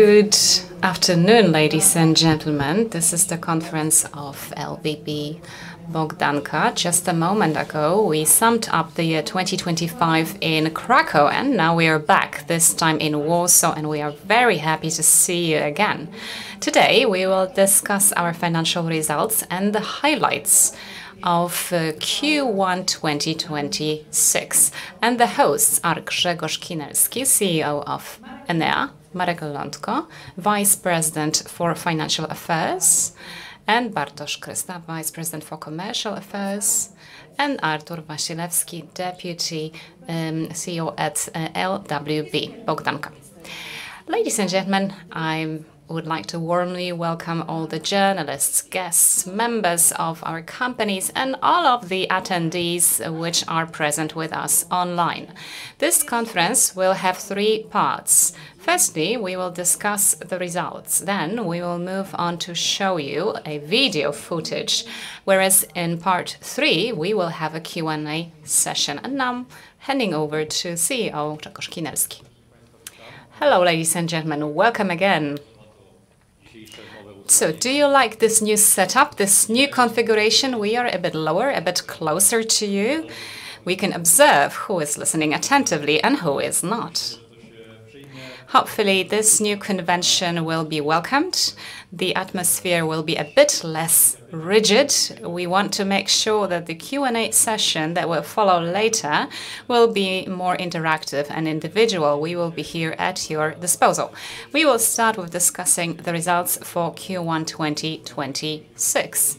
Good afternoon, ladies and gentlemen. This is the conference of LWB Bogdanka. Just a moment ago, we summed up the year 2025 in Kraków, and now we are back, this time in Warsaw, and we are very happy to see you again. Today, we will discuss our financial results and the highlights of Q1 2026. The hosts are Grzegorz Kinelski, CEO of Enea, Marek Lelątko, Vice President for Financial Affairs, Bartosz Krysta, Vice President for Commercial Affairs, and Artur Wasilewski, Deputy CEO at LWB Bogdanka. Ladies and gentlemen, I would like to warmly welcome all the journalists, guests, members of our companies, and all of the attendees which are present with us online. This conference will have three parts. Firstly, we will discuss the results, then we will move on to show you a video footage, whereas in part three, we will have a Q&A session. Now I'm handing over to CEO Grzegorz Kinelski. Hello, ladies and gentlemen. Welcome again. Do you like this new setup, this new configuration? We are a bit lower, a bit closer to you. We can observe who is listening attentively and who is not. Hopefully, this new convention will be welcomed. The atmosphere will be a bit less rigid. We want to make sure that the Q&A session that will follow later will be more interactive and individual. We will be here at your disposal. We will start with discussing the results for Q1 2026.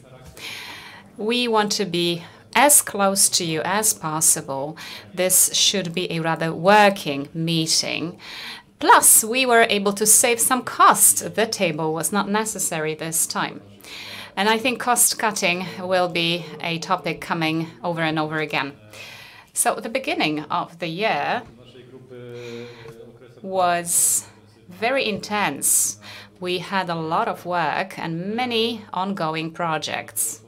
We want to be as close to you as possible. This should be a rather working meeting. We were able to save some costs. The table was not necessary this time. I think cost-cutting will be a topic coming over and over again. The beginning of the year was very intense. We had a lot of work and many ongoing projects.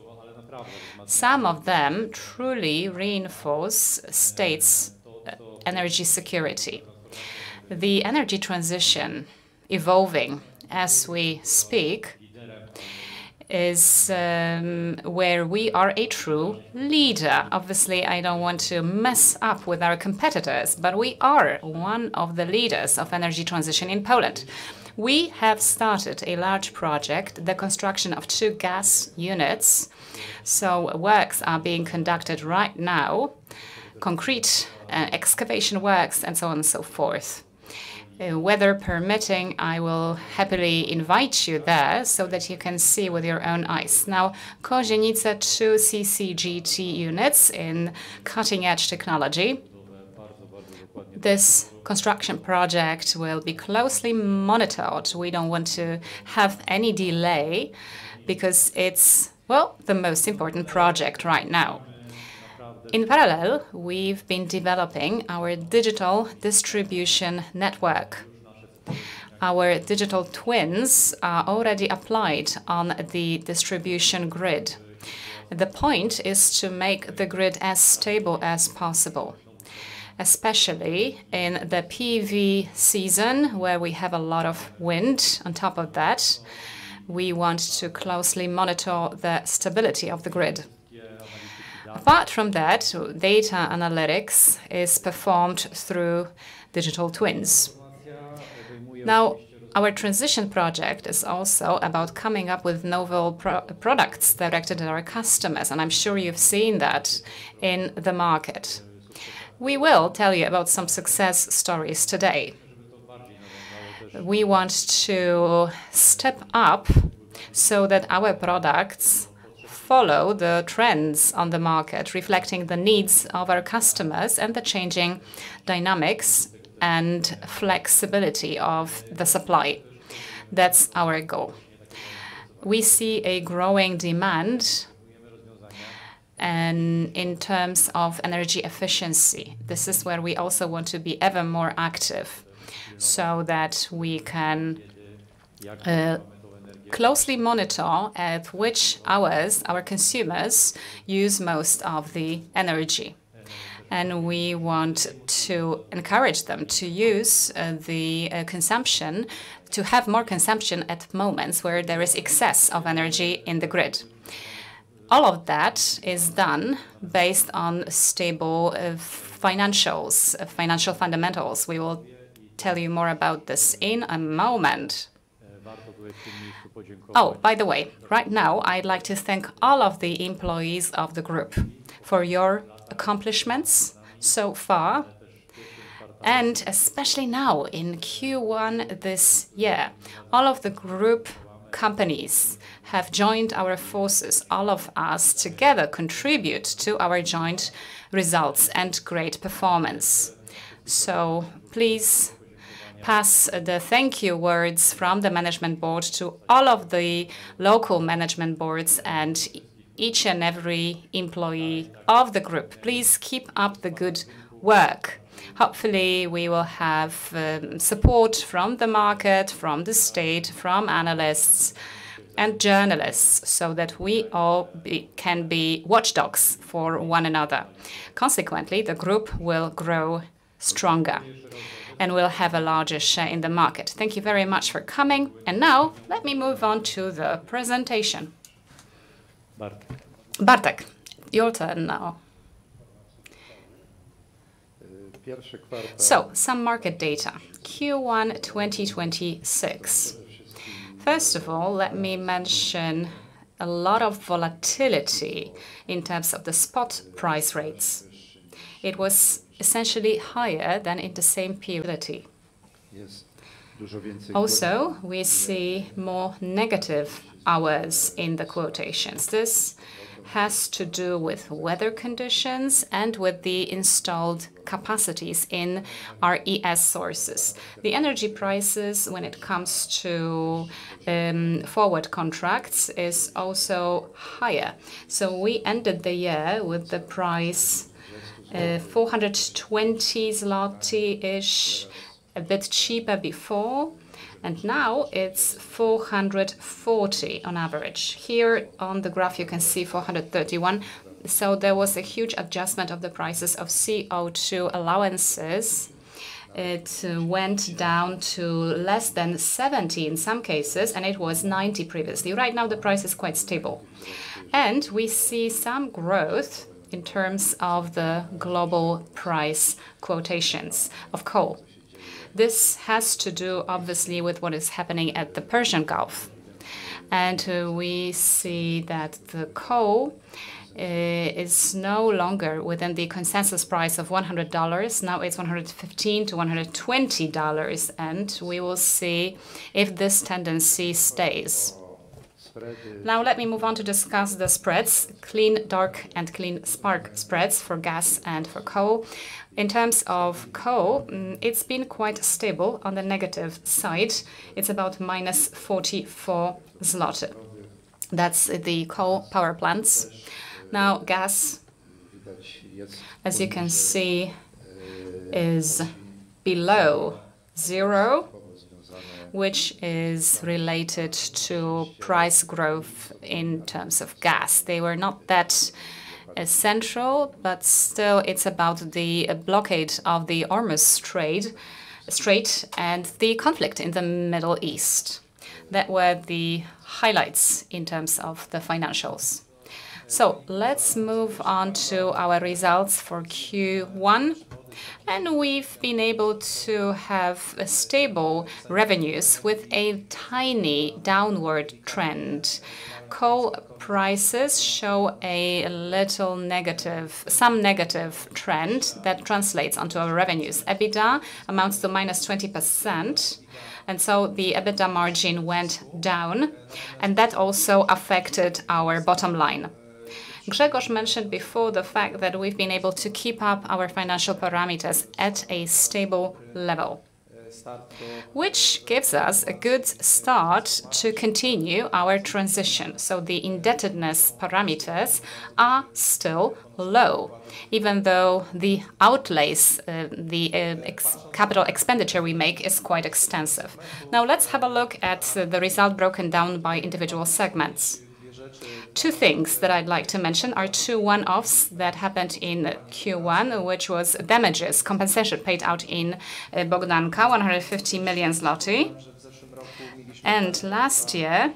Some of them truly reinforce state's energy security. The energy transition evolving as we speak is where we are a true leader. Obviously, I don't want to mess up with our competitors, but we are one of the leaders of energy transition in Poland. We have started a large project, the construction of two gas units. Works are being conducted right now, concrete, excavation works, and so on and so forth. Weather permitting, I will happily invite you there so that you can see with your own eyes. Now, Kozienice two CCGT units in cutting-edge technology. This construction project will be closely monitored. We don't want to have any delay because it's, well, the most important project right now. In parallel, we've been developing our digital distribution network. Our digital twins are already applied on the distribution grid. The point is to make the grid as stable as possible, especially in the PV season, where we have a lot of wind. On top of that, we want to closely monitor the stability of the grid. Apart from that, data analytics is performed through digital twins. Now, our transition project is also about coming up with novel products directed at our customers, and I'm sure you've seen that in the market. We will tell you about some success stories today. We want to step up so that our products follow the trends on the market, reflecting the needs of our customers and the changing dynamics and flexibility of the supply. That's our goal. We see a growing demand, and in terms of energy efficiency, this is where we also want to be ever more active, so that we can closely monitor at which hours our consumers use most of the energy. We want to encourage them to have more consumption at moments where there is excess of energy in the grid. All of that is done based on stable financials, financial fundamentals. We will tell you more about this in a moment. Oh, by the way, right now, I'd like to thank all of the employees of the group for your accomplishments so far, and especially now in Q1 this year. All of the group companies have joined our forces. All of us together contribute to our joint results and great performance. Please pass the thank you words from the management board to all of the local management boards and each and every employee of the group. Please keep up the good work. Hopefully, we will have support from the market, from the state, from analysts and journalists, so that we all can be watchdogs for one another. Consequently, the group will grow stronger and will have a larger share in the market. Thank you very much for coming. Now let me move on to the presentation. Bartosz. Bartosz, your turn now. Some market data, Q1 2026. First of all, let me mention a lot of volatility in terms of the spot price rates. It was essentially higher than in the same period. Also, we see more negative hours in the quotations. This has to do with weather conditions and with the installed capacities in our RES sources. The energy prices, when it comes to forward contracts, is also higher. We ended the year with the price 420-ish zloty, a bit cheaper before, and now it's 440 on average. Here on the graph you can see 431. There was a huge adjustment of the prices of CO2 allowances. It went down to less than 70 in some cases, and it was 90 previously. Right now the price is quite stable. We see some growth in terms of the global price quotations of coal. This has to do obviously, with what is happening at the Persian Gulf. We see that the coal is no longer within the consensus price of $100. Now it's $115-$120, and we will see if this tendency stays. Now let me move on to discuss the spreads, clean dark and clean spark spreads for gas and for coal. In terms of coal, it's been quite stable on the negative side, it's about -44 zloty. That's the coal power plants. Now gas, as you can see, is below zero, which is related to price growth in terms of gas. They were not that essential, but still it's about the blockade of the Hormuz Strait, and the conflict in the Middle East. That were the highlights in terms of the financials. Let's move on to our results for Q1. We've been able to have stable revenues with a tiny downward trend. Coal prices show some negative trend that translates onto our revenues. EBITDA amounts to -20%, and so the EBITDA margin went down, and that also affected our bottom line. Grzegorz mentioned before the fact that we've been able to keep up our financial parameters at a stable level, which gives us a good start to continue our transition. The indebtedness parameters are still low, even though the outlays, the capital expenditure we make is quite extensive. Let's have a look at the result broken down by individual segments. Two things that I'd like to mention are two one-offs that happened in Q1, which was damages, compensation paid out in Bogdanka, 150 million zloty. Last year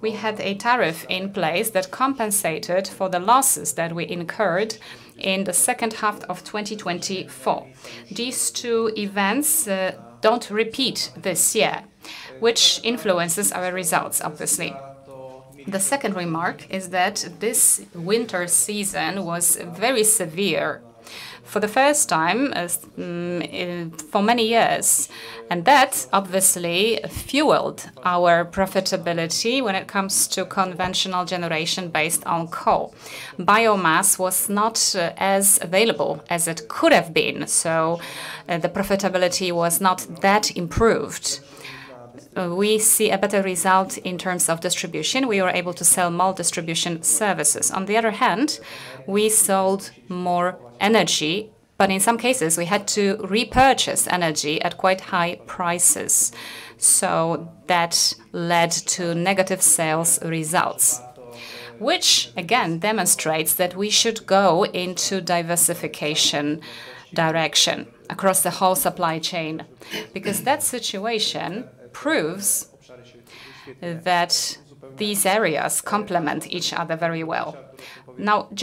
we had a tariff in place that compensated for the losses that we incurred in the second half of 2024. These two events don't repeat this year, which influences our results obviously. The second remark is that this winter season was very severe for the first time for many years, and that obviously fueled our profitability when it comes to conventional generation based on coal. Biomass was not as available as it could have been. The profitability was not that improved. We see a better result in terms of distribution. We were able to sell more distribution services. On the other hand, we sold more energy. In some cases we had to repurchase energy at quite high prices. That led to negative sales results. Which again demonstrates that we should go into diversification direction across the whole supply chain, because that situation proves that these areas complement each other very well.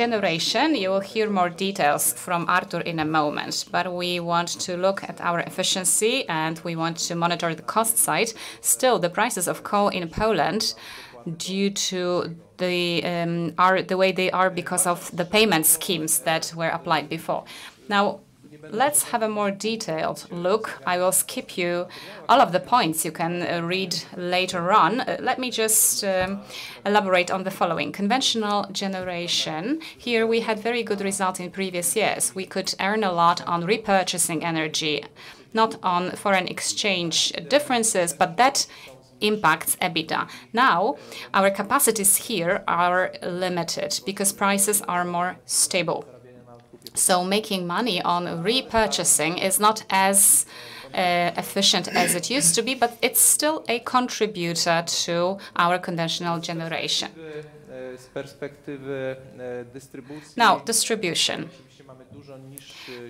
Generation, you will hear more details from Artur in a moment. We want to look at our efficiency and we want to monitor the cost side. Still, the prices of coal in Poland are the way they are because of the payment schemes that were applied before. Let's have a more detailed look. I will skip you all of the points you can read later on. Let me just elaborate on the following. Conventional generation. Here we had very good results in previous years. We could earn a lot on repurchasing energy. Not on foreign exchange differences, that impacts EBITDA. Our capacities here are limited because prices are more stable. So making money on repurchasing is not as efficient as it used to be, it's still a contributor to our conventional generation. Distribution.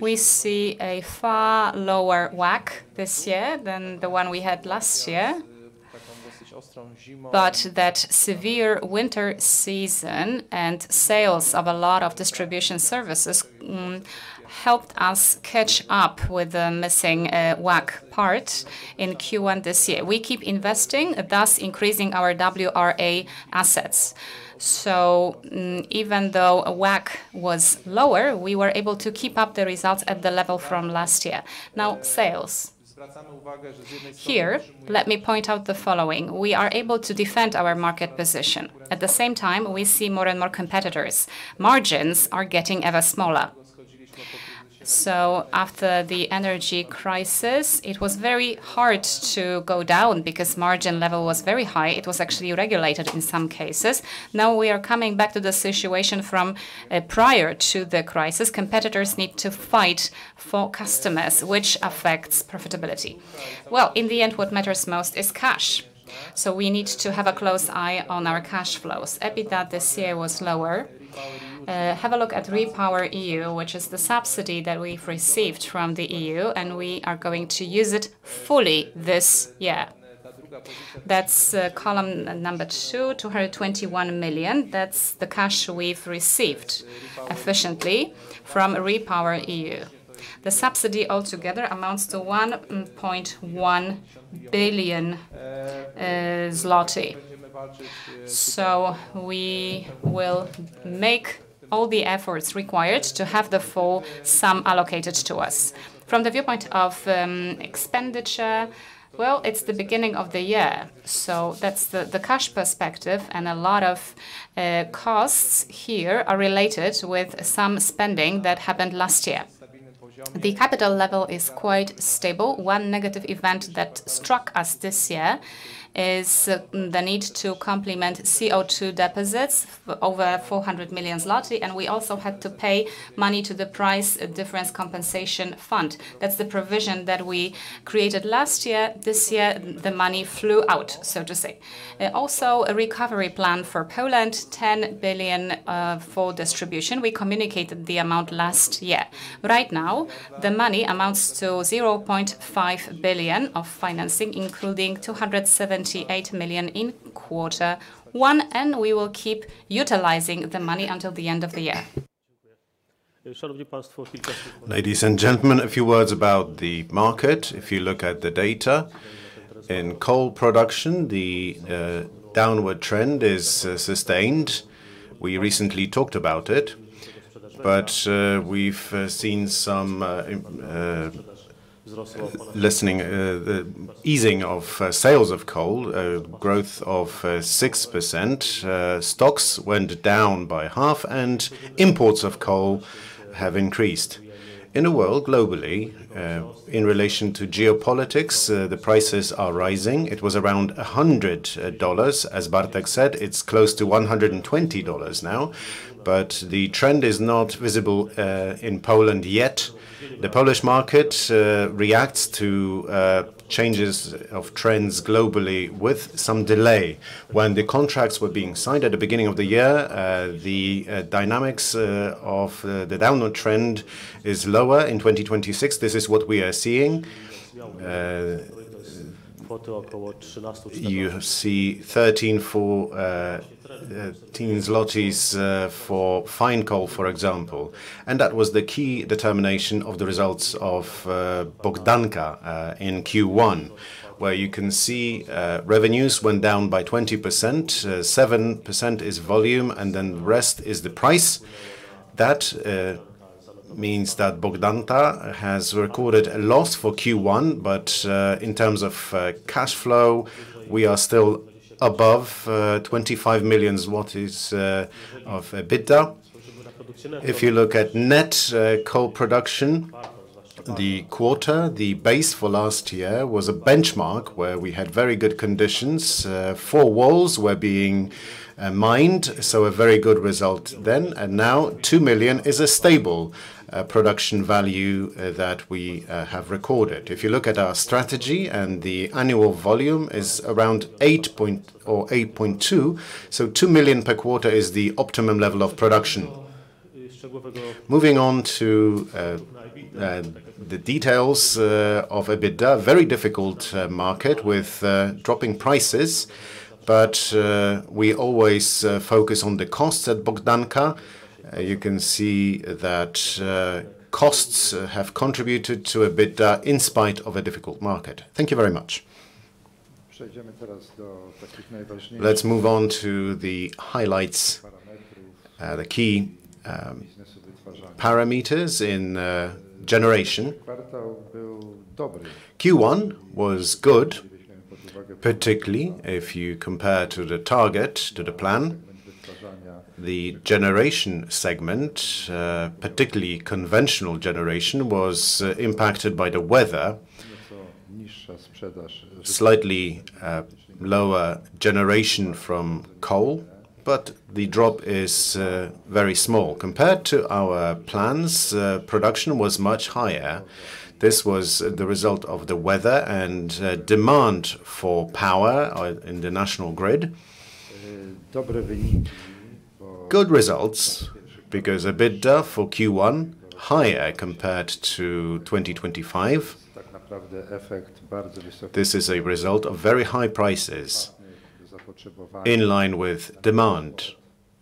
We see a far lower WACC this year than the one we had last year. That severe winter season and sales of a lot of distribution services, helped us catch up with the missing WACC part in Q1 this year. We keep investing, thus increasing our RAB assets. Even though WACC was lower, we were able to keep up the results at the level from last year. Sales. Here, let me point out the following. We are able to defend our market position. At the same time, we see more and more competitors. Margins are getting ever smaller. After the energy crisis, it was very hard to go down because margin level was very high. It was actually regulated in some cases. We are coming back to the situation from prior to the crisis. Competitors need to fight for customers, which affects profitability. In the end, what matters most is cash. We need to have a close eye on our cash flows. EBITDA this year was lower. Have a look at REPowerEU, which is the subsidy that we've received from the EU, and we are going to use it fully this year. That's column number 2, 221 million. That's the cash we've received efficiently from REPowerEU. The subsidy altogether amounts to 1.1 billion zloty. We will make all the efforts required to have the full sum allocated to us. From the viewpoint of expenditure, well, it's the beginning of the year, that's the cash perspective and a lot of costs here are related with some spending that happened last year. The capital level is quite stable. One negative event that struck us this year is the need to complement CO2 deposits, over 400 million zloty, and we also had to pay money to the Price Difference Compensation Fund. That's the provision that we created last year. This year, the money flew out, so to say. A recovery plan for Poland, 10 billion for distribution. We communicated the amount last year. Right now, the money amounts to 0.5 billion of financing, including 278 million in quarter one, and we will keep utilizing the money until the end of the year. Ladies and gentlemen, a few words about the market. If you look at the data. In coal production, the downward trend is sustained. We recently talked about it, but we've seen some easing of sales of coal, a growth of 6%. Stocks went down by half, and imports of coal have increased. In the world globally, in relation to geopolitics, the prices are rising. It was around $100, as Bartosz said. It's close to $120 now, but the trend is not visible in Poland yet. The Polish market reacts to changes of trends globally with some delay. When the contracts were being signed at the beginning of the year, the dynamics of the downward trend is lower in 2026. This is what we are seeing. You see 13 for fine coal, for example, and that was the key determination of the results of Bogdanka in Q1, where you can see revenues went down by 20%. 7% is volume, and then the rest is the price. That means that Bogdanka has recorded a loss for Q1, but, in terms of cash flow, we are still above 25 million of EBITDA. If you look at net coal production, the quarter, the base for last year was a benchmark where we had very good conditions. 4 walls were being mined, so a very good result then, and now 2 million is a stable production value that we have recorded. If you look at our strategy and the annual volume is around 8 or 8.2, so 2 million per quarter is the optimum level of production. Moving on to the details of EBITDA. Very difficult market with dropping prices. We always focus on the costs at Bogdanka. You can see that costs have contributed to EBITDA in spite of a difficult market. Thank you very much. Let's move on to the highlights. The key parameters in generation. Q1 was good, particularly if you compare to the target, to the plan. The generation segment, particularly conventional generation, was impacted by the weather. Slightly lower generation from coal. The drop is very small. Compared to our plans, production was much higher. This was the result of the weather and demand for power in the national grid. Good results. EBITDA for Q1, higher compared to 2025. This is a result of very high prices, in line with demand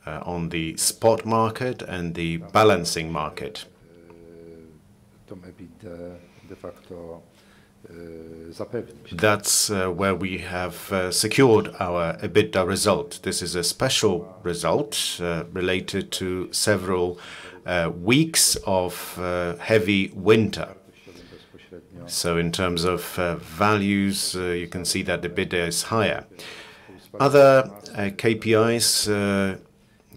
on the spot market and the balancing market. That's where we have secured our EBITDA result. This is a special result, related to several weeks of heavy winter. In terms of values, you can see that EBITDA is higher. Other KPIs,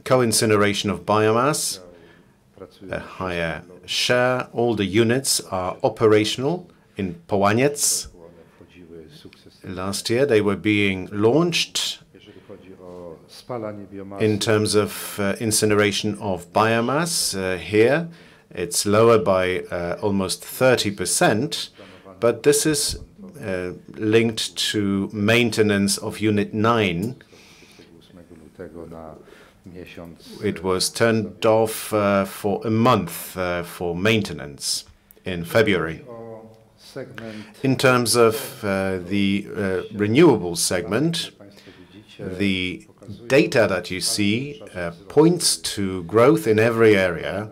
co-incineration of biomass, a higher share. All the units are operational in Połaniec. Last year, they were being launched. In terms of incineration of biomass, here it's lower by almost 30%, but this is linked to maintenance of Unit Nine. It was turned off for one month for maintenance in February. In terms of the renewables segment, the data that you see points to growth in every area,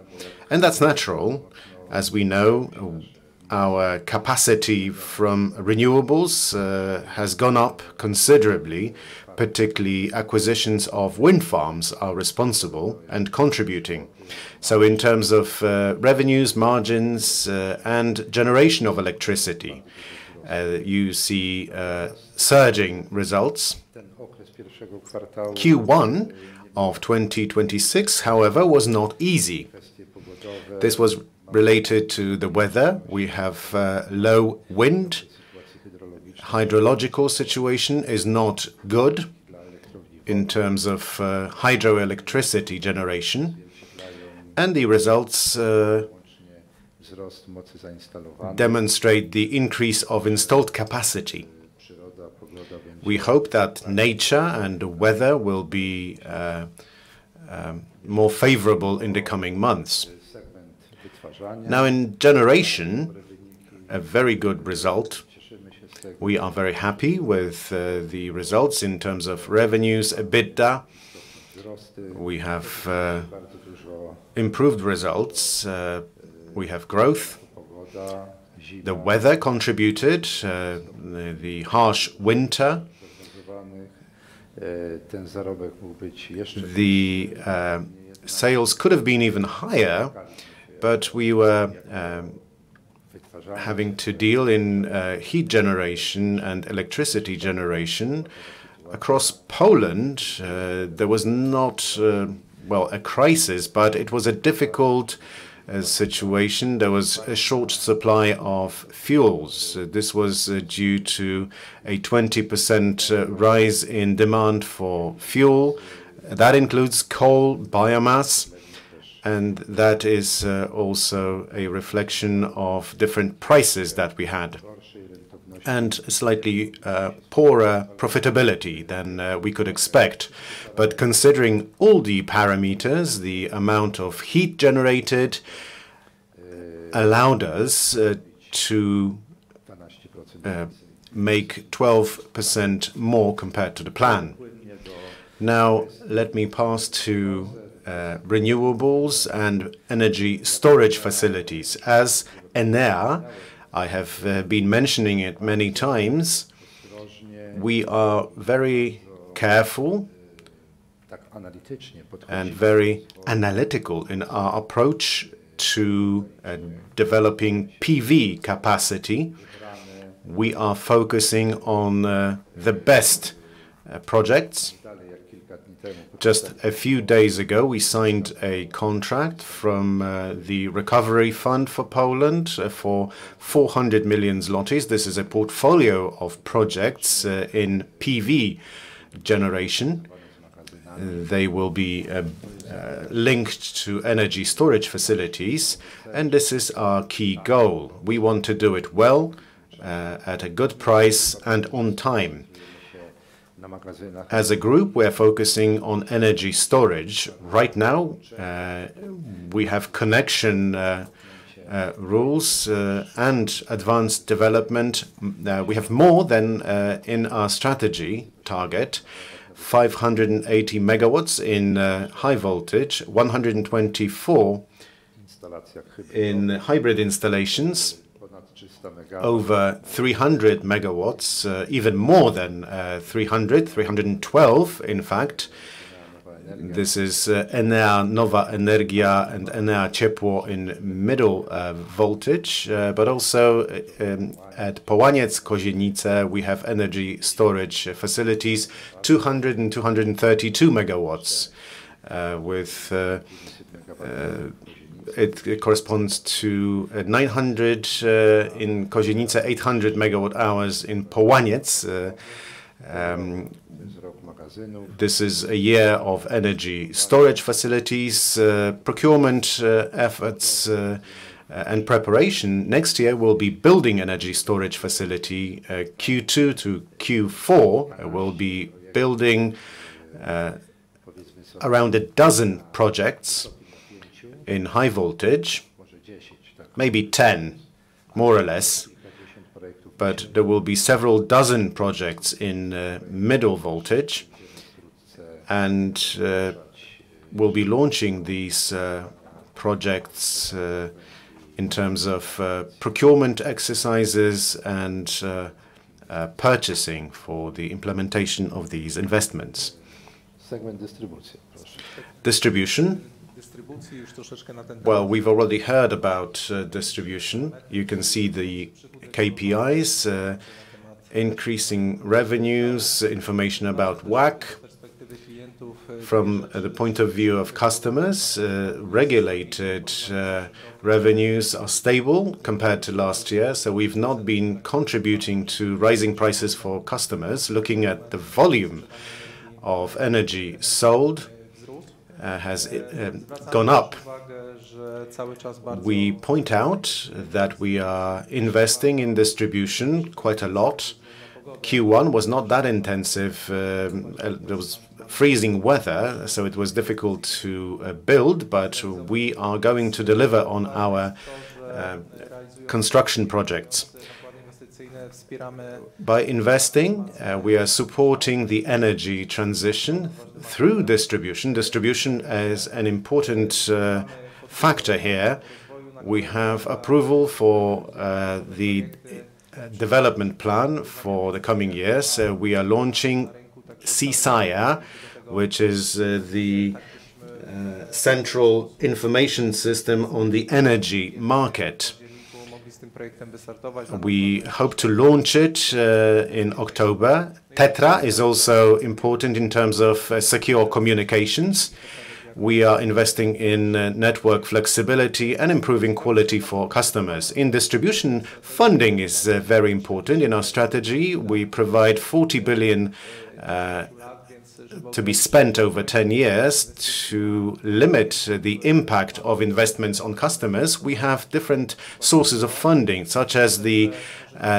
and that's natural. As we know, our capacity from renewables has gone up considerably, particularly acquisitions of wind farms are responsible and contributing. In terms of revenues, margins, and generation of electricity, you see surging results. Q1 of 2026, however, was not easy. This was related to the weather. We have low wind. Hydrological situation is not good in terms of hydroelectricity generation. The results demonstrate the increase of installed capacity. We hope that nature and weather will be more favorable in the coming months. Now, in generation, a very good result. We are very happy with the results in terms of revenues, EBITDA. We have improved results. We have growth. The weather contributed, the harsh winter. The sales could have been even higher. We were having to deal in heat generation and electricity generation across Poland. There was not, well, a crisis, but it was a difficult situation. There was a short supply of fuels. This was due to a 20% rise in demand for fuel. That includes coal, biomass, and that is also a reflection of different prices that we had, and slightly poorer profitability than we could expect. Considering all the parameters, the amount of heat generated allowed us to make 12% more compared to the plan. Let me pass to renewables and energy storage facilities. As Enea, I have been mentioning it many times, we are very careful and very analytical in our approach to developing PV capacity. We are focusing on the best projects. Just a few days ago, we signed a contract from the Recovery and Resilience Facility for 400 million zlotys. This is a portfolio of projects in PV generation. They will be linked to energy storage facilities, and this is our key goal. We want to do it well, at a good price, and on time. As a group, we're focusing on energy storage. Right now, we have connection rules and advanced development. We have more than in our strategy target, 580 MW in high voltage, 124 MW in hybrid installations. Over 300 MW, even more than 300MW, 312MW, in fact. This is Enea Nowa Energia and Enea Ciepło in middle voltage. Also at Połaniec, Kozienice, we have energy storage facilities, 200 and 232 MW. It corresponds to 900 MWh in Kozienice, 800 MWh in Połaniec. This is a year of energy storage facilities, procurement efforts, and preparation. Next year, we'll be building energy storage facility. Q2 to Q4, we'll be building around a dozen projects in high voltage, maybe 10, more or less. There will be several dozen projects in middle voltage, and we'll be launching these projects, in terms of procurement exercises and purchasing for the implementation of these investments. Segment distribution. Distribution. Well, we've already heard about distribution. You can see the KPIs, increasing revenues, information about WACC. From the point of view of customers, regulated revenues are stable compared to last year. We've not been contributing to rising prices for customers. Looking at the volume of energy sold, has gone up. We point out that we are investing in distribution quite a lot. Q1 was not that intensive. There was freezing weather. It was difficult to build. We are going to deliver on our construction projects. By investing, we are supporting the energy transition through distribution. Distribution is an important factor here. We have approval for the development plan for the coming years. We are launching CSIRE, which is the Central Information System on the Energy Market. We hope to launch it in October. TETRA is also important in terms of secure communications. We are investing in network flexibility and improving quality for customers. In distribution, funding is very important. In our strategy, we provide 40 billion, to be spent over 10 years to limit the impact of investments on customers. We have different sources of funding, such as the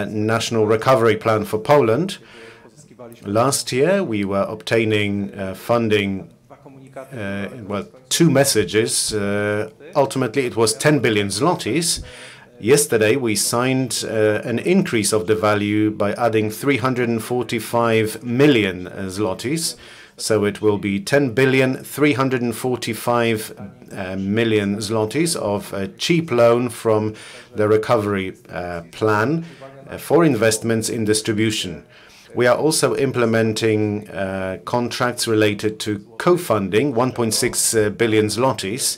National Recovery and Resilience Plan. Last year, we were obtaining funding, well, two messages. Ultimately, it was 10 billion zlotys. Yesterday, we signed an increase of the value by adding 345 million zlotys. It will be 10 billion, 345 million zlotys of a cheap loan from the Recovery Plan for investments in distribution. We are also implementing contracts related to co-funding, 1.6 billion zlotys,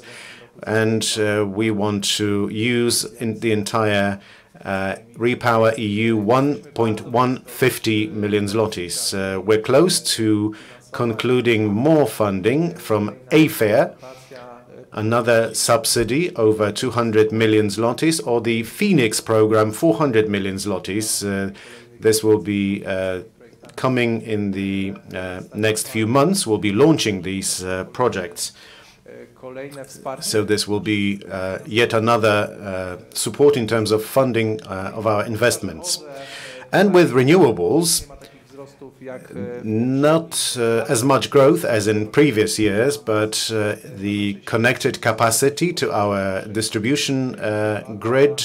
and we want to use the entire REPowerEU, 1.150 million zlotys. We're close to concluding more funding from [AFEP], another subsidy, over 200 million zlotys, or the FEnIKS program, 400 million zlotys. This will be coming in the next few months. We'll be launching these projects. This will be yet another support in terms of funding of our investments. With renewables, not as much growth as in previous years, but the connected capacity to our distribution grid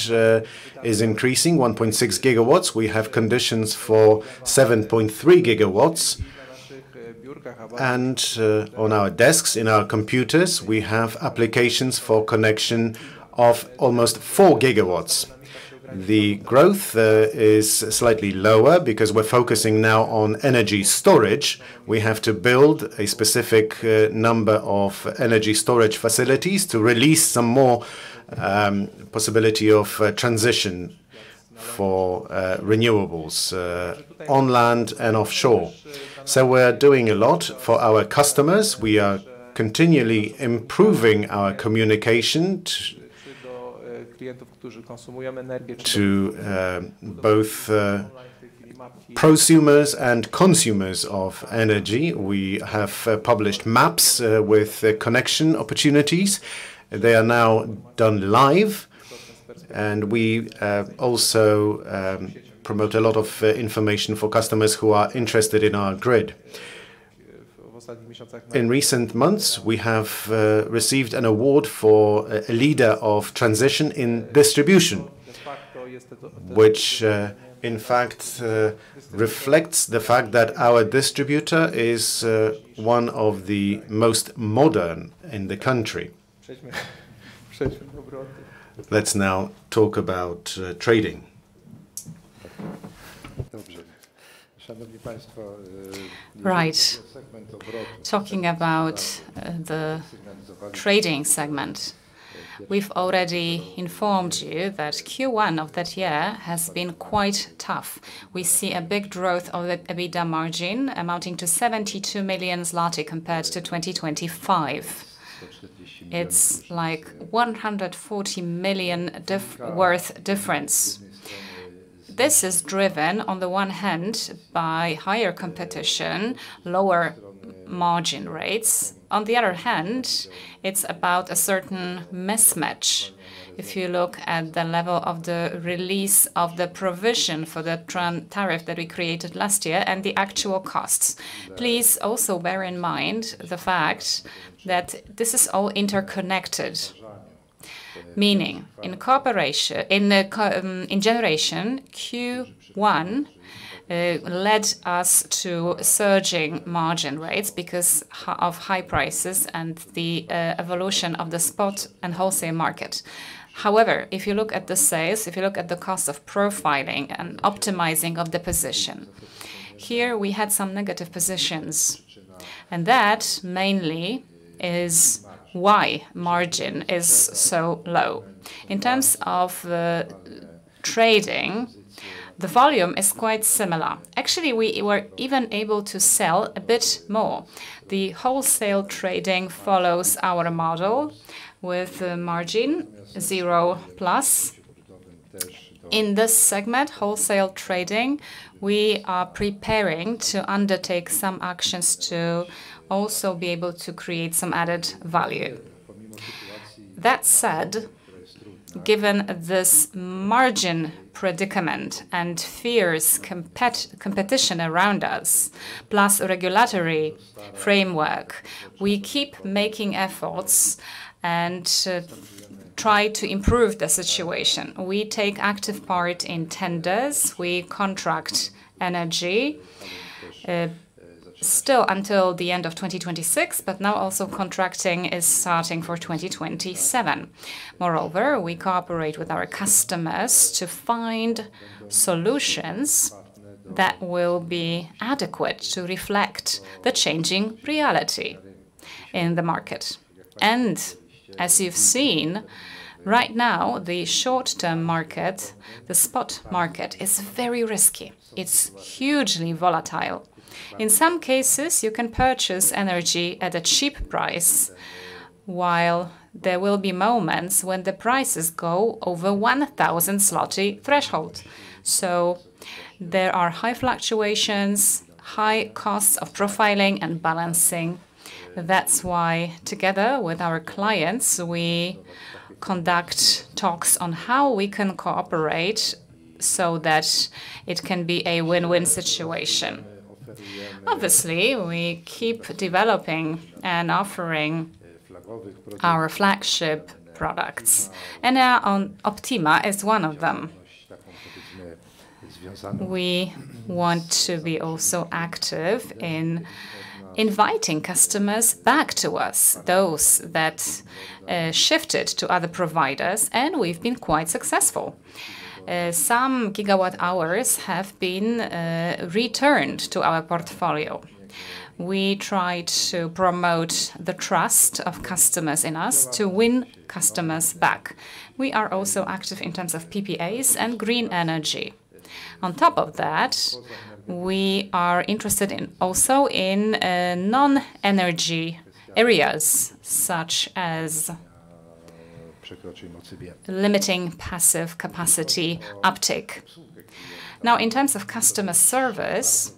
is increasing, 1.6 GW. We have conditions for 7.3 GW. On our desks, in our computers, we have applications for connection of almost 4 GW. The growth is slightly lower because we're focusing now on energy storage. We have to build a specific number of energy storage facilities to release some more possibility of transition for renewables, on land and offshore. We're doing a lot for our customers. We are continually improving our communication to both prosumers and consumers of energy. We have published maps with connection opportunities. They are now done live, and we have also promote a lot of information for customers who are interested in our grid. In recent months, we have received an award for a leader of transition in distribution, which in fact reflects the fact that our distributor is one of the most modern in the country. Let's now talk about trading. Right. Talking about the trading segment, we've already informed you that Q1 of that year has been quite tough. We see a big growth of the EBITDA margin, amounting to 72 million zloty compared to 2025. It's like 140 million worth difference. This is driven on the one hand by higher competition, lower margin rates. On the other hand, it's about a certain mismatch. If you look at the level of the release of the provision for the tariff that we created last year and the actual costs. Please also bear in mind the fact that this is all interconnected. Meaning, in generation, Q1 led us to surging margin rates because of high prices and the evolution of the spot and wholesale market. If you look at the sales, if you look at the cost of profiling and optimizing of the position, here we had some negative positions, and that mainly is why margin is so low. In terms of the trading, the volume is quite similar. Actually, we were even able to sell a bit more. The wholesale trading follows our model with a margin, zero plus. In this segment, wholesale trading, we are preparing to undertake some actions to also be able to create some added value. That said, given this margin predicament and fierce competition around us, plus regulatory framework, we keep making efforts and try to improve the situation. We take active part in tenders. We contract energy, still until the end of 2026, now also contracting is starting for 2027. Moreover, we cooperate with our customers to find solutions that will be adequate to reflect the changing reality in the market. As you've seen, right now, the short-term market, the spot market is very risky. It's hugely volatile. In some cases, you can purchase energy at a cheap price, while there will be moments when the prices go over 1,000 zloty threshold. There are high fluctuations, high costs of profiling and balancing. That's why, together with our clients, we conduct talks on how we can cooperate so that it can be a win-win situation. Obviously, we keep developing and offering our flagship products. Enea Optima is one of them. We want to be also active in inviting customers back to us, those that shifted to other providers, and we've been quite successful. Some gigawatt hours have been returned to our portfolio. We try to promote the trust of customers in us to win customers back. We are also active in terms of PPAs and green energy. On top of that, we are interested also in non-energy areas, such as limiting passive capacity uptake. Now, in terms of customer service,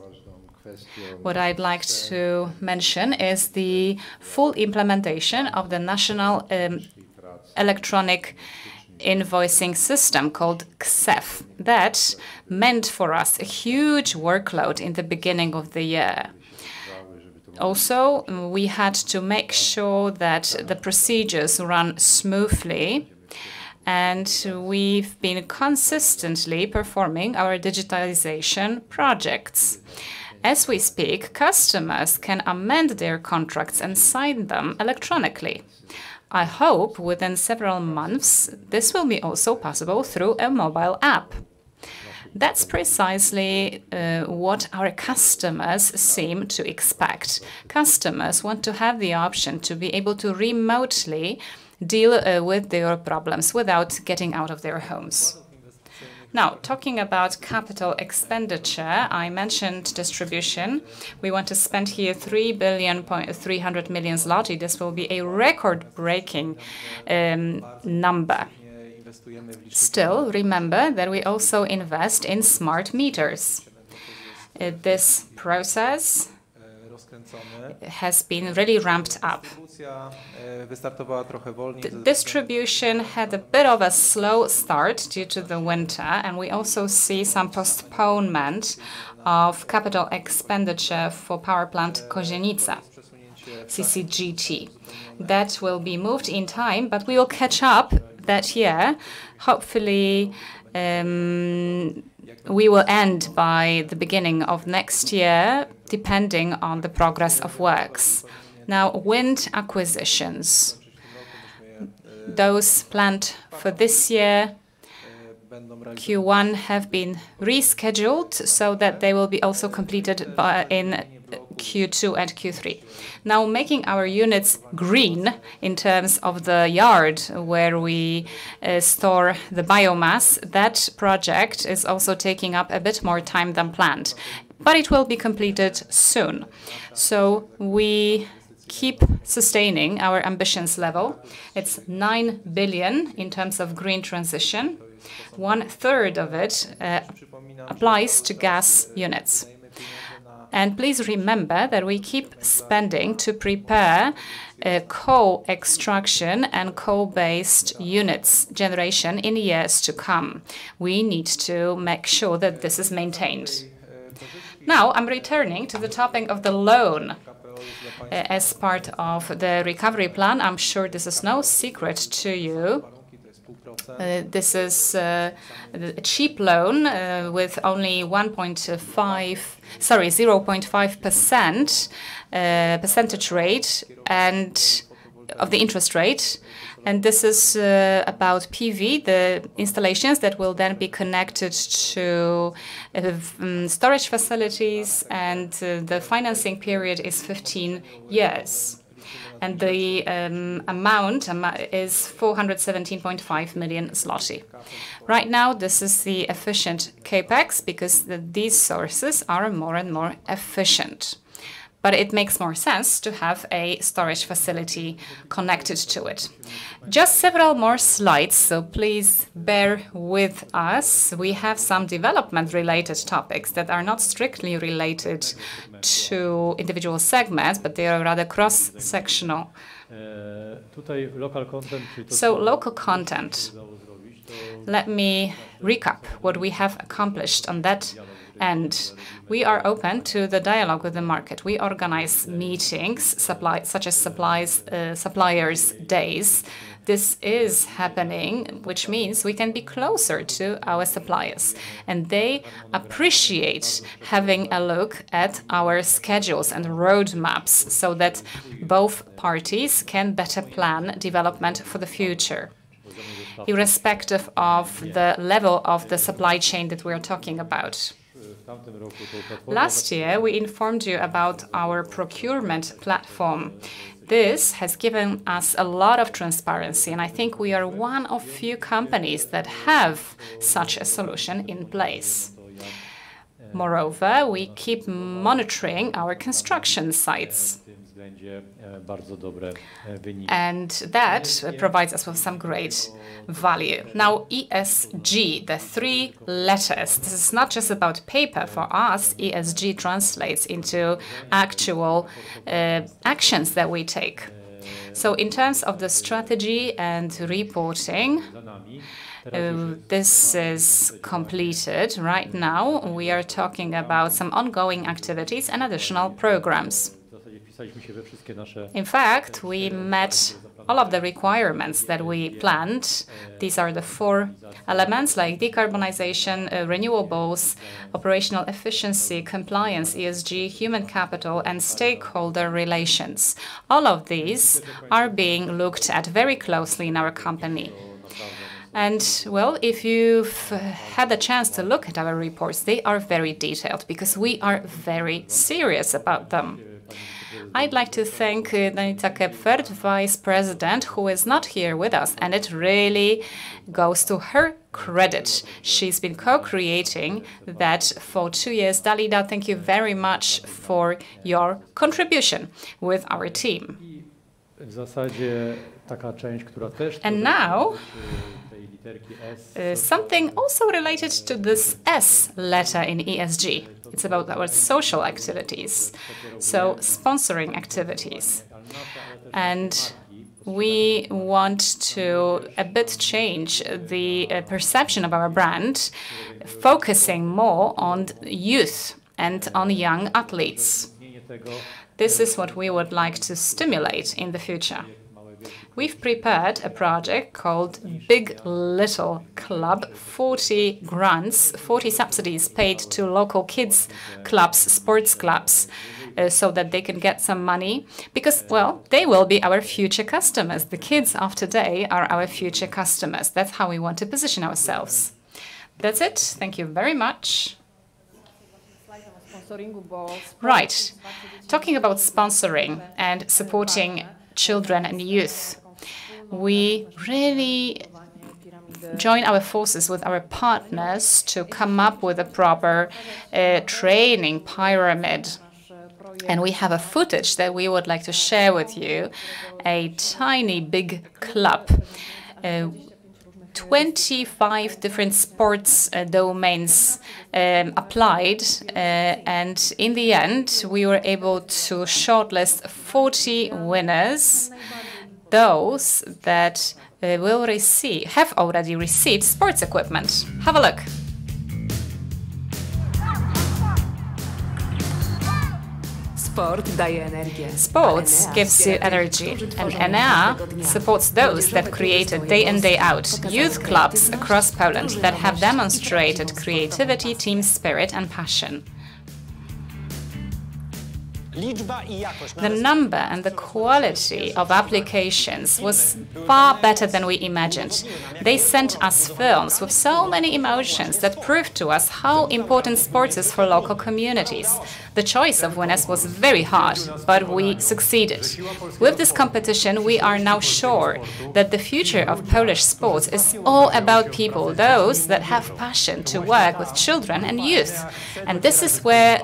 what I'd like to mention is the full implementation of the National Electronic Invoicing System called KSeF. That meant for us a huge workload in the beginning of the year. Also, we had to make sure that the procedures run smoothly, and we've been consistently performing our digitalization projects. As we speak, customers can amend their contracts and sign them electronically. I hope within several months, this will be also possible through a mobile app. That's precisely what our customers seem to expect. Customers want to have the option to be able to remotely deal with their problems without getting out of their homes. Talking about capital expenditure, I mentioned distribution. We want to spend here 3.3 billion. This will be a record-breaking number. Remember that we also invest in smart meters. This process has been really ramped up. Distribution had a bit of a slow start due to the winter, and we also see some postponement of capital expenditure for power plant Kozienice CCGT. That will be moved in time, but we will catch up that year. Hopefully, we will end by the beginning of next year, depending on the progress of works. Wind acquisitions. Those planned for this year, Q1 have been rescheduled so that they will be also completed in Q2 and Q3. Now, making our units green in terms of the yard where we store the biomass, that project is also taking up a bit more time than planned, but it will be completed soon. We keep sustaining our ambitions level. It's 9 billion in terms of green transition. One third of it applies to gas units. Please remember that we keep spending to prepare coal extraction and coal-based units generation in years to come. We need to make sure that this is maintained. Now, I'm returning to the topic of the loan as part of the recovery plan. I'm sure this is no secret to you. This is a cheap loan, with only 0.5% percentage rate of the interest rate. This is about PV, the installations that will then be connected to storage facilities, and the financing period is 15 years, and the amount is 417.5 million zloty. Right now, this is the efficient CapEx because these sources are more and more efficient, but it makes more sense to have a storage facility connected to it. Just several more slides, so please bear with us. We have some development-related topics that are not strictly related to individual segments, but they are rather cross-sectional. Local content. Let me recap what we have accomplished on that end. We are open to the dialogue with the market. We organize meetings, such as suppliers' days. This is happening, which means we can be closer to our suppliers, and they appreciate having a look at our schedules and roadmaps so that both parties can better plan development for the future, irrespective of the level of the supply chain that we are talking about. Last year, we informed you about our procurement platform. This has given us a lot of transparency. I think we are one of few companies that have such a solution in place. Moreover, we keep monitoring our construction sites. That provides us with some great value. ESG, the three letters. This is not just about paper for us. ESG translates into actual actions that we take. In terms of the strategy and reporting, this is completed. Right now, we are talking about some ongoing activities and additional programs. In fact, we met all of the requirements that we planned. These are the four elements, like decarbonization, renewables, operational efficiency, compliance, ESG, human capital, and stakeholder relations. All of these are being looked at very closely in our company. Well, if you've had the chance to look at our reports, they are very detailed because we are very serious about them. I'd like to thank Dalida Gepfert, vice president, who is not here with us, and it really goes to her credit. She's been co-creating that for two years. Dalida, thank you very much for your contribution with our team. Now, something also related to this S letter in ESG. It's about our social activities, so sponsoring activities. We want to a bit change the perception of our brand, focusing more on youth and on young athletes. This is what we would like to stimulate in the future. We've prepared a project called Big Little Club, 40 grants, 40 subsidies paid to local kids' clubs, sports clubs, so that they can get some money because, well, they will be our future customers. The kids of today are our future customers. That's how we want to position ourselves. That's it. Thank you very much. Right. Talking about sponsoring and supporting children and youth, we really join our forces with our partners to come up with a proper training pyramid, and we have a footage that we would like to share with you, a tiny Big Little Club. 25 different sports domains applied, and in the end, we were able to shortlist 40 winners, those that have already received sports equipment. Have a look. Sports gives you energy, and Enea supports those that create it day in, day out, youth clubs across Poland that have demonstrated creativity, team spirit, and passion. The number and the quality of applications was far better than we imagined. They sent us films with so many emotions that proved to us how important sports is for local communities. The choice of winners was very hard, but we succeeded. With this competition, we are now sure that the future of Polish sports is all about people, those that have passion to work with children and youth, and this is where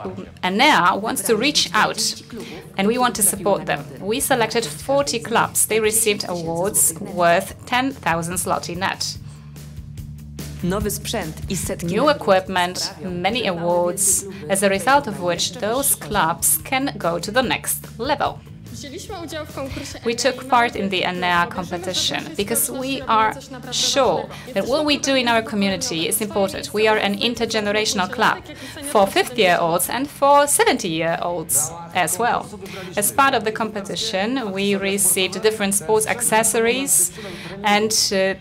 Enea wants to reach out, and we want to support them. We selected 40 clubs. They received awards worth 10,000 zloty net. New equipment, many awards, as a result of which those clubs can go to the next level. We took part in the Enea competition because we are sure that what we do in our community is important. We are an intergenerational club for 50-year-olds and for 70-year-olds as well. As part of the competition, we received different sports accessories, and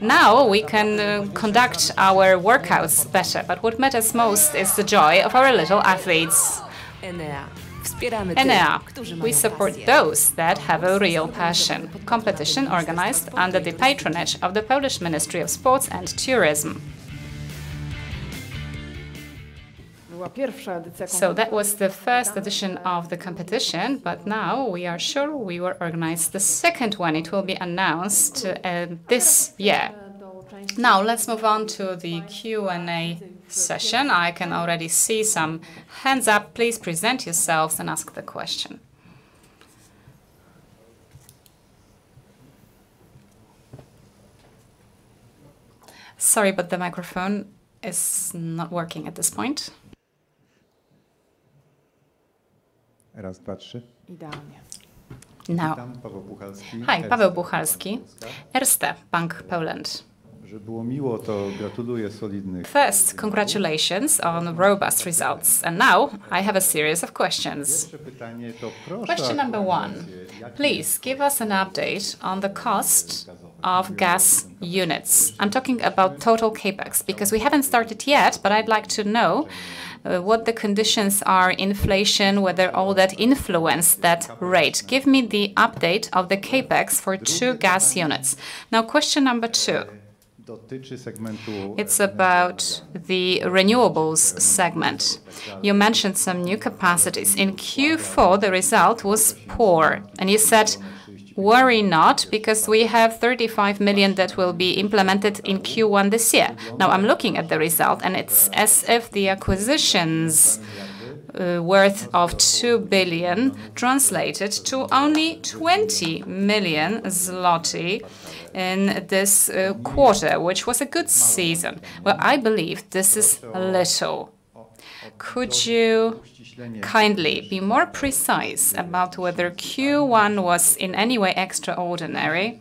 now we can conduct our workouts better. What matters most is the joy of our little athletes. Enea, we support those that have a real passion. Competition organized under the patronage of the Polish Ministry of Sport and Tourism. That was the first edition of the competition, but now we are sure we will organize the second one. It will be announced this year. Let's move on to the Q&A session. I can already see some hands up. Please present yourselves and ask the question. Sorry, the microphone is not working at this point. One, two, three. Perfect. Hi. Paweł Puchalski, Erste Bank Polska. First, congratulations on robust results. Now I have a series of questions. Question number 1. Please give us an update on the cost of gas units. I am talking about total CapEx, because we haven't started yet, but I would like to know what the conditions are, inflation, whether all that influenced that rate. Give me the update of the CapEx for two gas units. Question number 2. It's about the renewables segment. You mentioned some new capacities. In Q4, the result was poor, and you said, "Worry not, because we have 35 million that will be implemented in Q1 this year." Now I'm looking at the result, and it's as if the acquisitions worth of 2 billion translated to only 20 million zloty in this quarter, which was a good season. Well, I believe this is little. Could you kindly be more precise about whether Q1 was in any way extraordinary,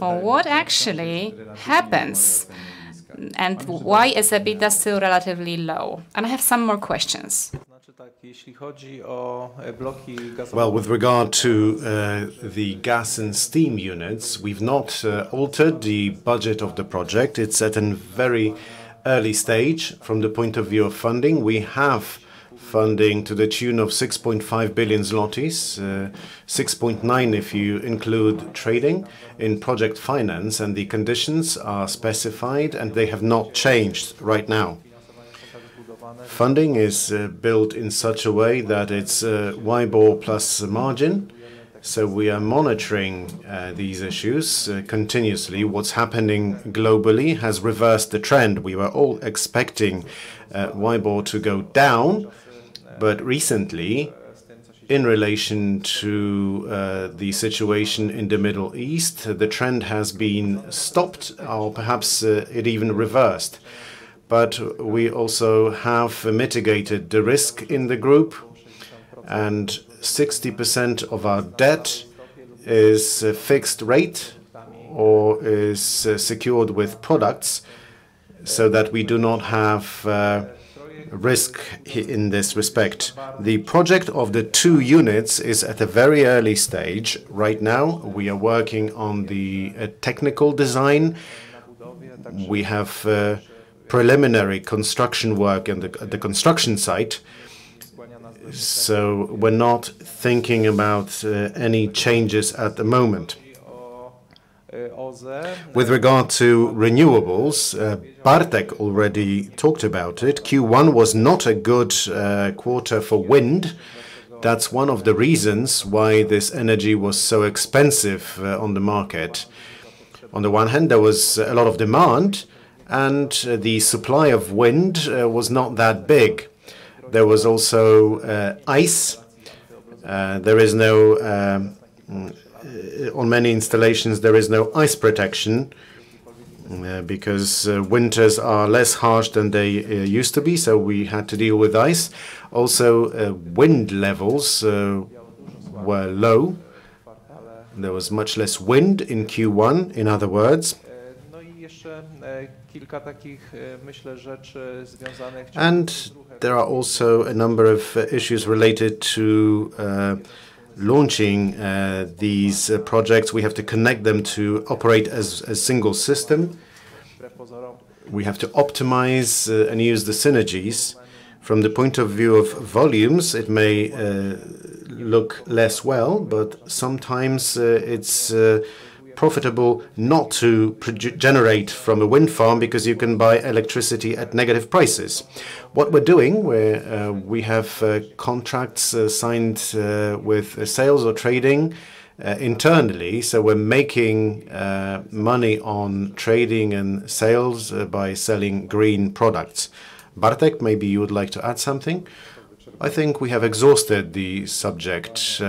or what actually happens, and why is EBITDA still relatively low? I have some more questions. Well, with regard to the gas and steam units, we've not altered the budget of the project. It's at a very early stage from the point of view of funding. We have funding to the tune of 6.5 billion zlotys. 6.9 billion if you include trading in project finance, and the conditions are specified, and they have not changed right now. Funding is built in such a way that it's WIBOR plus margin. We are monitoring these issues continuously. What's happening globally has reversed the trend. We were all expecting WIBOR to go down, but recently, in relation to the situation in the Middle East, the trend has been stopped, or perhaps it even reversed. We also have mitigated the risk in the group, and 60% of our debt is fixed rate or is secured with products so that we do not have risk in this respect. The project of the 2 units is at a very early stage. Right now, we are working on the technical design. We have preliminary construction work in the construction site. We're not thinking about any changes at the moment. With regard to renewables, Bartosz already talked about it. Q1 was not a good quarter for wind. That's 1 of the reasons why this energy was so expensive on the market. On the 1 hand, there was a lot of demand, and the supply of wind was not that big. There was also ice. On many installations, there is no ice protection, because winters are less harsh than they used to be, so we had to deal with ice. Wind levels were low. There was much less wind in Q1, in other words. There are also a number of issues related to launching these projects. We have to connect them to operate as a single system. We have to optimize and use the synergies. From the point of view of volumes, it may look less well, but sometimes it's profitable not to generate from a wind farm because you can buy electricity at negative prices. What we're doing, we have contracts signed with sales or trading internally. We're making money on trading and sales by selling green products. Marek, maybe you would like to add something? I think we have exhausted the subject.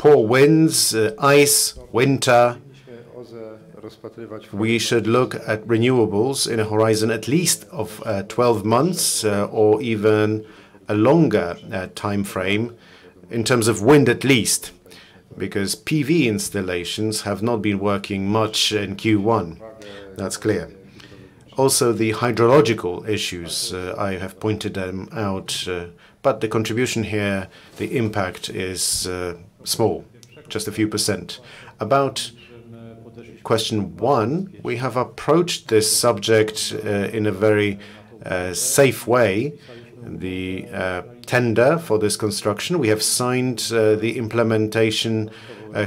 Poor winds, ice, winter. We should look at renewables in a horizon at least of 12 months or even a longer timeframe, in terms of wind at least, because PV installations have not been working much in Q1. That's clear. Also, the hydrological issues, I have pointed them out. The contribution here, the impact is small, just a few percentage. About question one, we have approached this subject in a very safe way. The tender for this construction, we have signed the implementation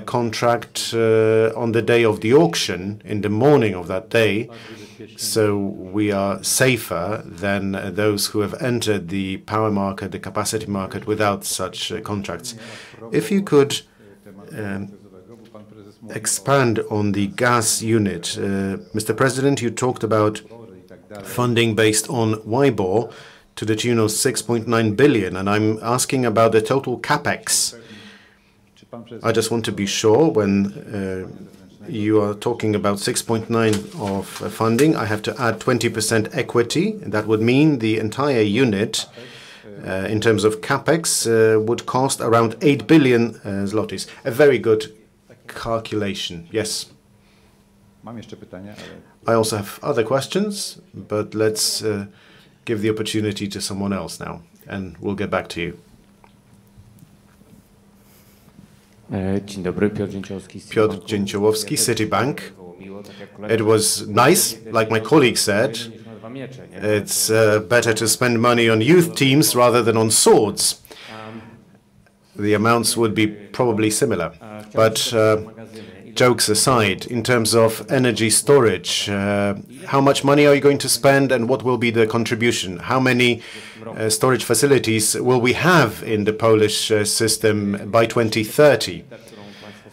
contract on the day of the auction, in the morning of that day. We are safer than those who have entered the power market, the capacity market, without such contracts. If you could expand on the gas unit. Mr. President, you talked about funding based on WIBOR to the tune of 6.9 billion, I'm asking about the total CapEx. I just want to be sure when you are talking about 6.9 of funding, I have to add 20% equity. That would mean the entire unit, in terms of CapEx, would cost around 8 billion zlotys. A very good calculation. Yes. I also have other questions, Let's give the opportunity to someone else now, we'll get back to you. Piotr Dzięciołowski, Citibank. It was nice. Like my colleague said, it's better to spend money on youth teams rather than on swords. The amounts would be probably similar. Jokes aside, in terms of energy storage, how much money are you going to spend and what will be the contribution? How many storage facilities will we have in the Polish system by 2030?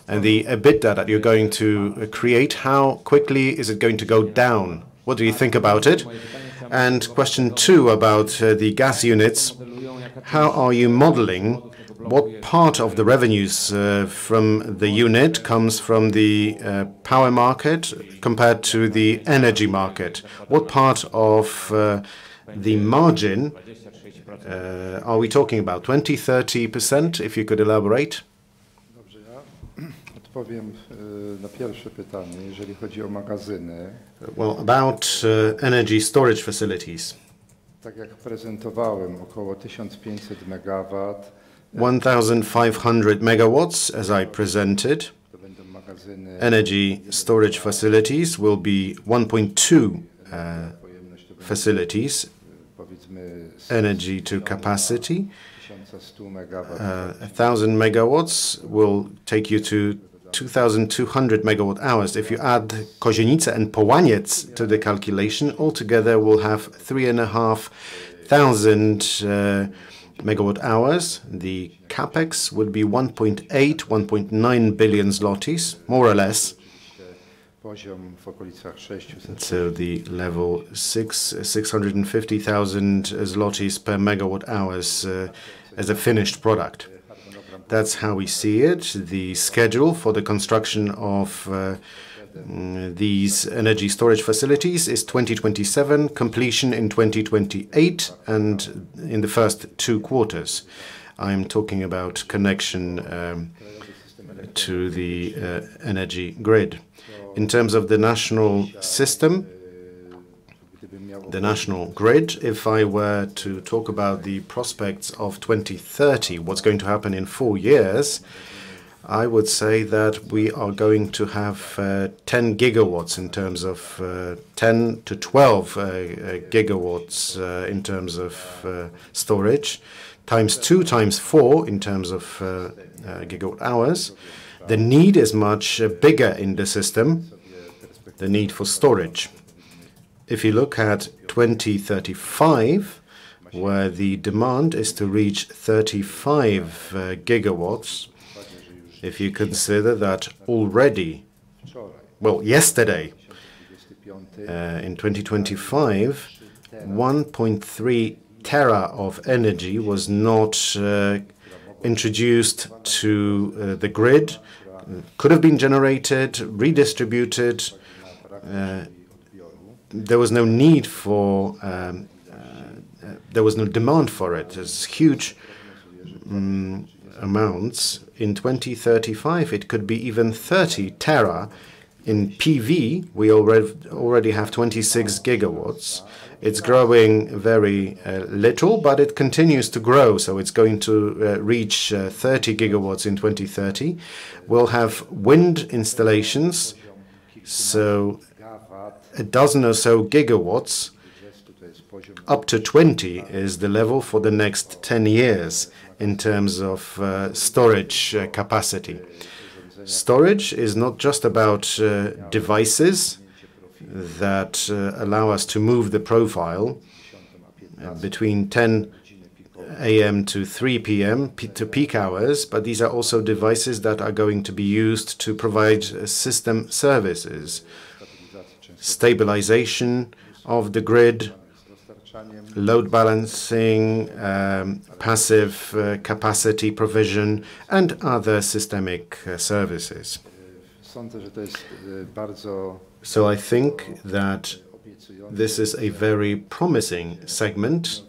The EBITDA that you're going to create, how quickly is it going to go down? What do you think about it? Question two, about the gas units. How are you modeling what part of the revenues from the unit comes from the power market compared to the energy market? What part of the margin are we talking about? 20, 30%? If you could elaborate. Well, about energy storage facilities. 1,500 MW, as I presented. Energy storage facilities will be 1.2 GW. Energy to capacity, 1,000 MW will take you to 2,200 MWh. If you add Kozienice and Połaniec to the calculation, altogether we'll have 3,500 megawatt hours. The CapEx would be 1.8 billion-1.9 billion zlotys, more or less. The level, 650,000 zlotys per megawatt hours as a finished product. That's how we see it. The schedule for the construction of these energy storage facilities is 2027, completion in 2028, and in the first two quarters. I'm talking about connection to the energy grid. In terms of the national system, the national grid, if I were to talk about the prospects of 2030, what's going to happen in four years, I would say that we are going to have 10 GW, 10-12 GW in terms of storage. 2x, 4x in terms of gigawatt hours. The need is much bigger in the system, the need for storage. If you look at 2035, where the demand is to reach 35 GW, if you consider that already, well, yesterday, in 2025, 1.3 TW of energy was not introduced to the grid, could've been generated, redistributed. There was no demand for it. There's huge amounts. In 2035, it could be even 30 tera. In PV, we already have 26 GW. It's growing very little, but it continues to grow, so it's going to reach 30 GW in 2030. We'll have wind installations, so a dozen or so GW, up to 20 is the level for the next 10 years in terms of storage capacity. Storage is not just about devices that allow us to move the profile between 10:00 A.M. to 3:00 P.M. to peak hours. These are also devices that are going to be used to provide system services. Stabilization of the grid, load balancing, passive capacity provision, and other systemic services. I think that this is a very promising segment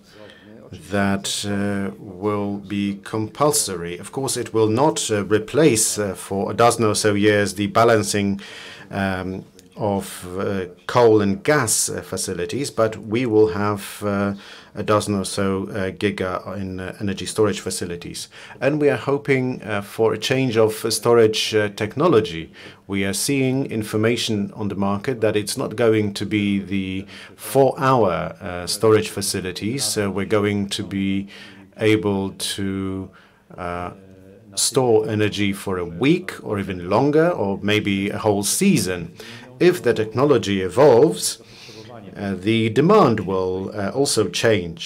that will be compulsory. Of course, it will not replace, for a dozen or so years, the balancing of coal and gas facilities, but we will have a dozen or so giga in energy storage facilities. We are hoping for a change of storage technology. We are seeing information on the market that it's not going to be the four-hour storage facilities. We're going to be able to store energy for one week or even longer, or maybe one whole season. If the technology evolves, the demand will also change.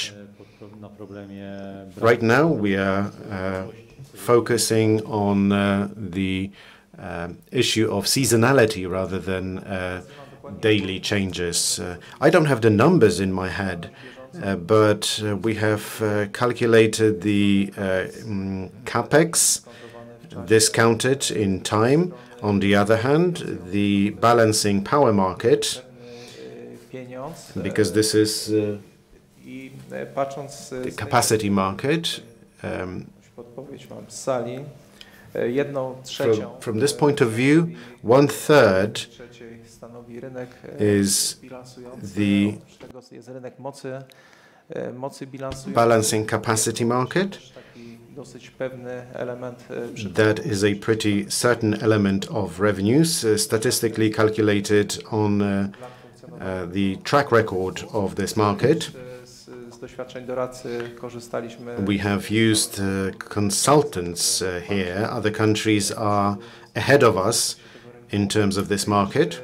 Right now, we are focusing on the issue of seasonality rather than daily changes. I don't have the numbers in my head. We have calculated the CapEx discounted in time. On the other hand, the balancing power market, because this is the capacity market. From this point of view, one third is the balancing capacity market. That is a pretty certain element of revenues, statistically calculated on the track record of this market. We have used consultants here. Other countries are ahead of us in terms of this market.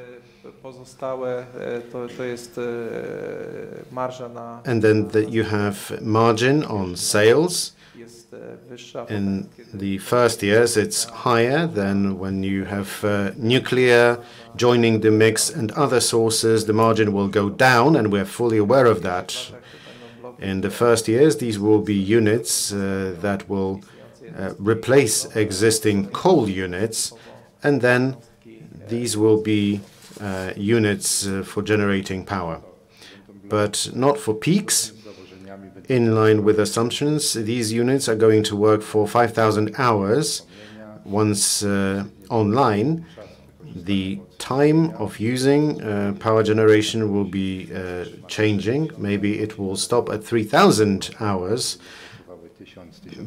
Then you have margin on sales. In the first years, it's higher than when you have nuclear joining the mix and other sources. The margin will go down, and we're fully aware of that. In the first years, these will be units that will replace existing coal units, and then these will be units for generating power, but not for peaks. In line with assumptions, these units are going to work for 5,000 hours once online. The time of using power generation will be changing. Maybe it will stop at 3,000 hours.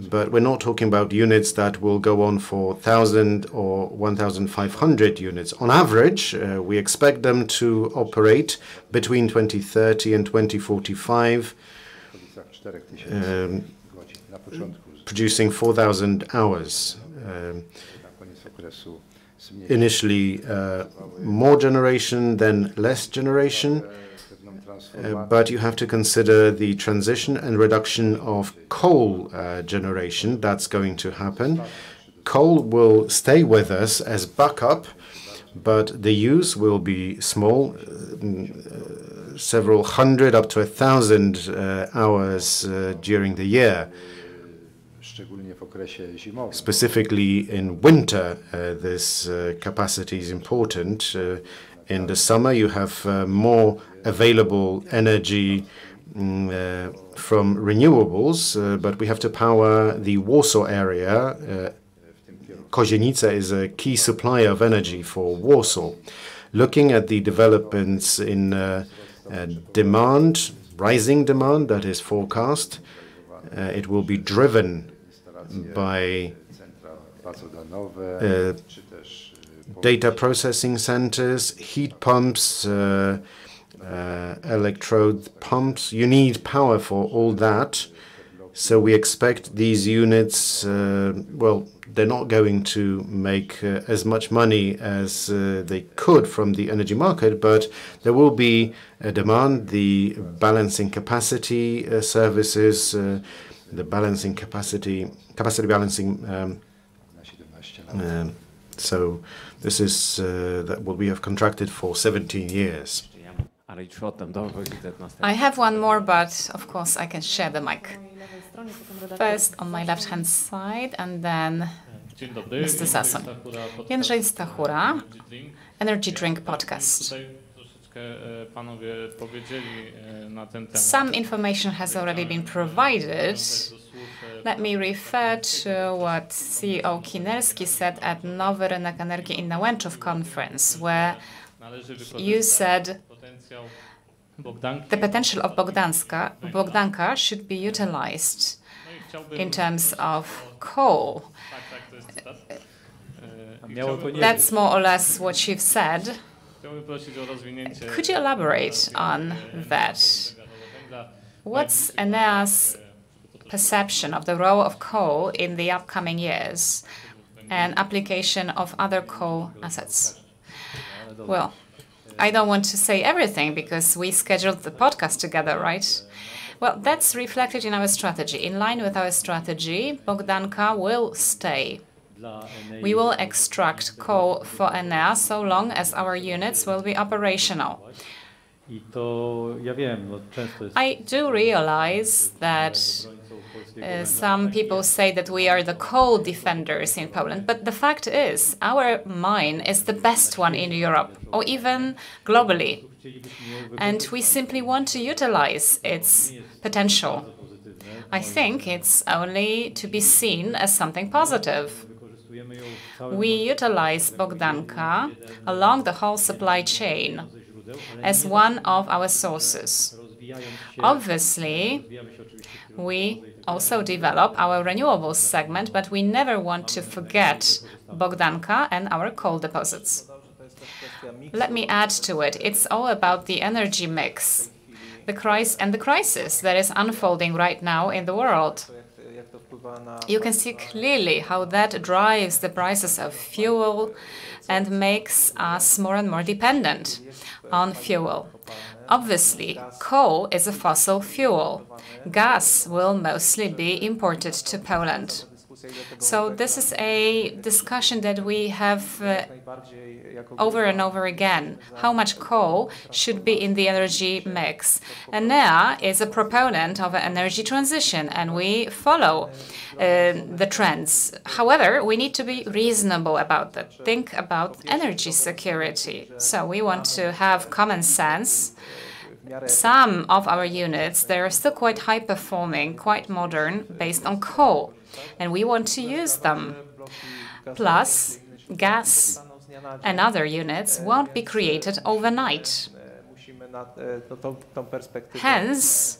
We're not talking about units that will go on for 1,000 or 1,500 units. On average, we expect them to operate between 2030 and 2045, producing 4,000 hours. Initially, more generation, then less generation. You have to consider the transition and reduction of coal generation that's going to happen. Coal will stay with us as backup, but the use will be small, several hundred up to 1,000 hours during the year. Specifically in winter, this capacity is important. In the summer, you have more available energy from renewables. We have to power the Warsaw area. Kozienice is a key supplier of energy for Warsaw. Looking at the developments in demand, rising demand that is forecast. It will be driven by data processing centers, heat pumps, electrode pumps. You need power for all that. We expect these units, well, they're not going to make as much money as they could from the energy market, but there will be a demand. The balancing capacity services, capacity balancing. This is what we have contracted for 17 years. I have one more, but of course, I can share the mic. First on my left-hand side, and then Mr. Sason. Jędrzej Stachura, Energy Drink podcast. Some information has already been provided. Let me refer to what CEO Kinelski said at Nowy Rynek Energii in Nałęczów conference, where you said the potential of Bogdanka should be utilized in terms of coal. That's more or less what you've said. Could you elaborate on that? What's Enea's perception of the role of coal in the upcoming years and application of other coal assets? Well, I don't want to say everything because we scheduled the podcast together, right? Well, that's reflected in our strategy. In line with our strategy, Bogdanka will stay. We will extract coal for Enea so long as our units will be operational. I do realize that some people say that we are the coal defenders in Poland, but the fact is our mine is the best one in Europe or even globally, and we simply want to utilize its potential. I think it's only to be seen as something positive. We utilize Bogdanka along the whole supply chain as one of our sources. Obviously, we also develop our renewables segment, but we never want to forget Bogdanka and our coal deposits. Let me add to it. It's all about the energy mix and the crisis that is unfolding right now in the world. You can see clearly how that drives the prices of fuel and makes us more and more dependent on fuel. Obviously, coal is a fossil fuel. Gas will mostly be imported to Poland. This is a discussion that we have over and over again, how much coal should be in the energy mix. Enea is a proponent of an energy transition, and we follow the trends. However, we need to be reasonable about it. Think about energy security. We want to have common sense. Some of our units, they're still quite high-performing, quite modern, based on coal, and we want to use them. Plus, gas and other units won't be created overnight. Hence,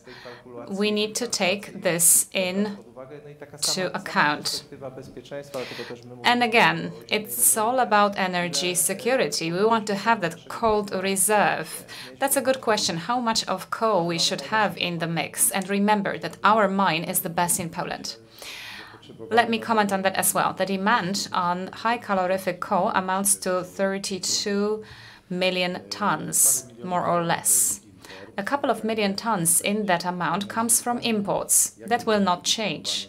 we need to take this into account. Again, it's all about energy security. We want to have that coal reserve. That's a good question, how much of coal we should have in the mix, and remember that our mine is the best in Poland. Let me comment on that as well. The demand on high calorific coal amounts to 32 million tons, more or less. A couple of million tons in that amount comes from imports. That will not change.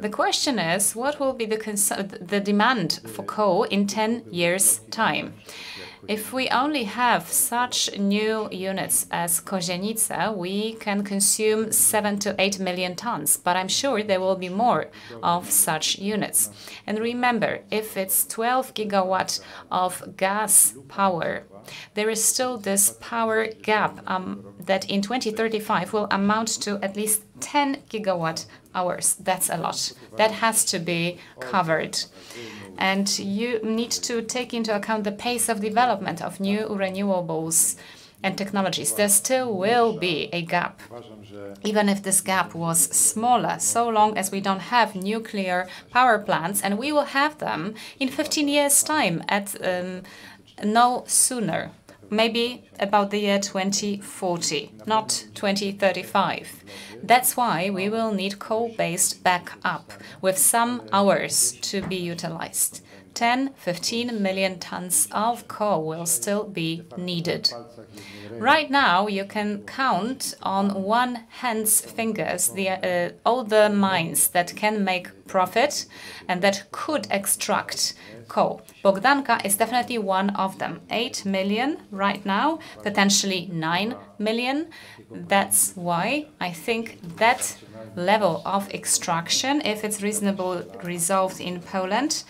The question is, what will be the demand for coal in 10 years' time? If we only have such new units as Kozienice, we can consume seven to eight million tons, but I'm sure there will be more of such units. Remember, if it's 12 GW of gas power, there is still this power gap that in 2035 will amount to at least 10 gigawatt hours. That's a lot. That has to be covered. You need to take into account the pace of development of new renewables and technologies. There still will be a gap, even if this gap was smaller, so long as we don't have nuclear power plants, and we will have them in 15 years' time, at no sooner, maybe about the year 2040, not 2035. That's why we will need coal-based backup with some hours to be utilized. 10, 15 million tons of coal will still be needed. Right now, you can count on 1 hand's fingers the older mines that can make profit and that could extract coal. Bogdanka is definitely one of them. 8 million right now, potentially 9 million. That's why I think that level of extraction, if it's reasonable results in Poland,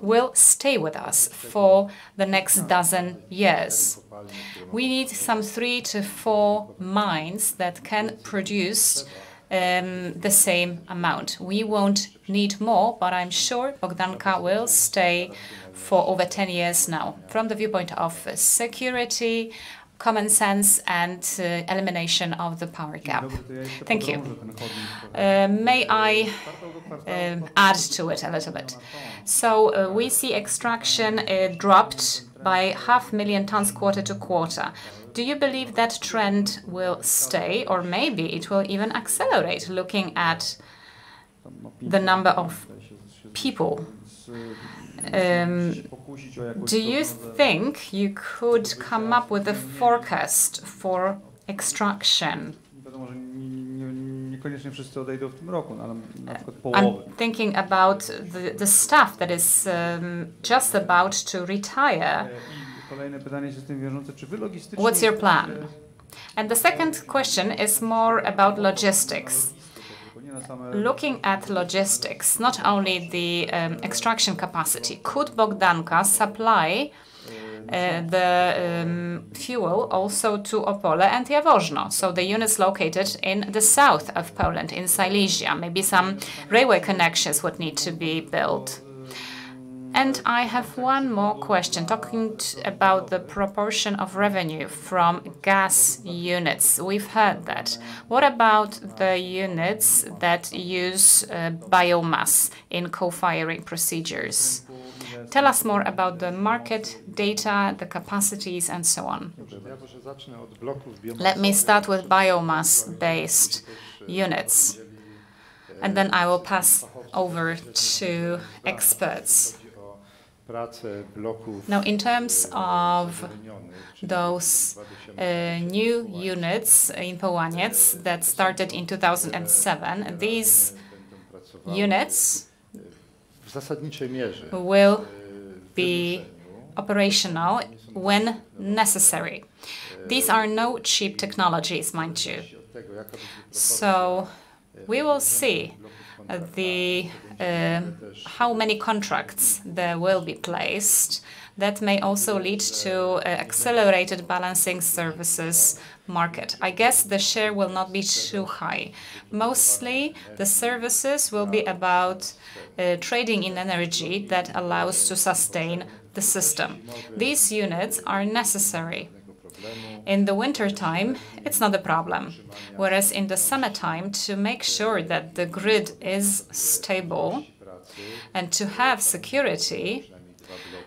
will stay with us for the next dozen years. We need some three to four mines that can produce the same amount. We won't need more, but I'm sure Bogdanka will stay for over 10 years now, from the viewpoint of security, common sense, and elimination of the power gap. Thank you. May I add to it a little bit? We see extraction dropped by half million tons quarter-to-quarter. Do you believe that trend will stay, or maybe it will even accelerate, looking at the number of people? Do you think you could come up with a forecast for extraction? I'm thinking about the staff that is just about to retire. What's your plan? The second question is more about logistics. Looking at logistics, not only the extraction capacity, could Bogdanka supply the fuel also to Opole and Jaworzno? The units located in the south of Poland, in Silesia. Maybe some railway connections would need to be built. I have one more question. Talking about the proportion of revenue from gas units. We've heard that. What about the units that use biomass in co-firing procedures? Tell us more about the market data, the capacities, and so on. Let me start with biomass-based units, and then I will pass over to experts. Now, in terms of those new units in Połaniec that started in 2007, these units will be operational when necessary. These are no cheap technologies, mind you. We will see how many contracts there will be placed that may also lead to accelerated balancing services market. I guess the share will not be too high. Mostly, the services will be about trading in energy that allows to sustain the system. These units are necessary. In the wintertime, it's not a problem, whereas in the summertime, to make sure that the grid is stable and to have security,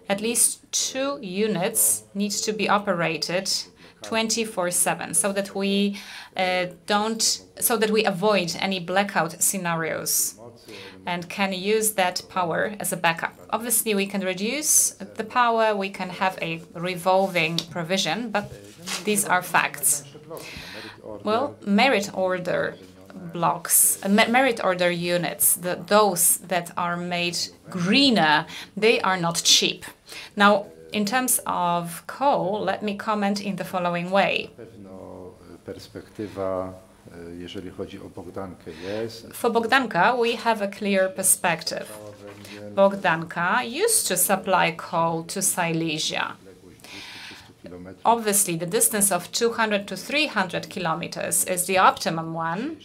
at least two units need to be operated 24/7, so that we avoid any blackout scenarios and can use that power as a backup. Obviously, we can reduce the power. We can have a revolving provision, these are facts. Well, merit order units, those that are made greener, they are not cheap. Now, in terms of coal, let me comment in the following way. For Bogdanka, we have a clear perspective. Bogdanka used to supply coal to Silesia. Obviously, the distance of 200 to 300 kilometers is the optimum one.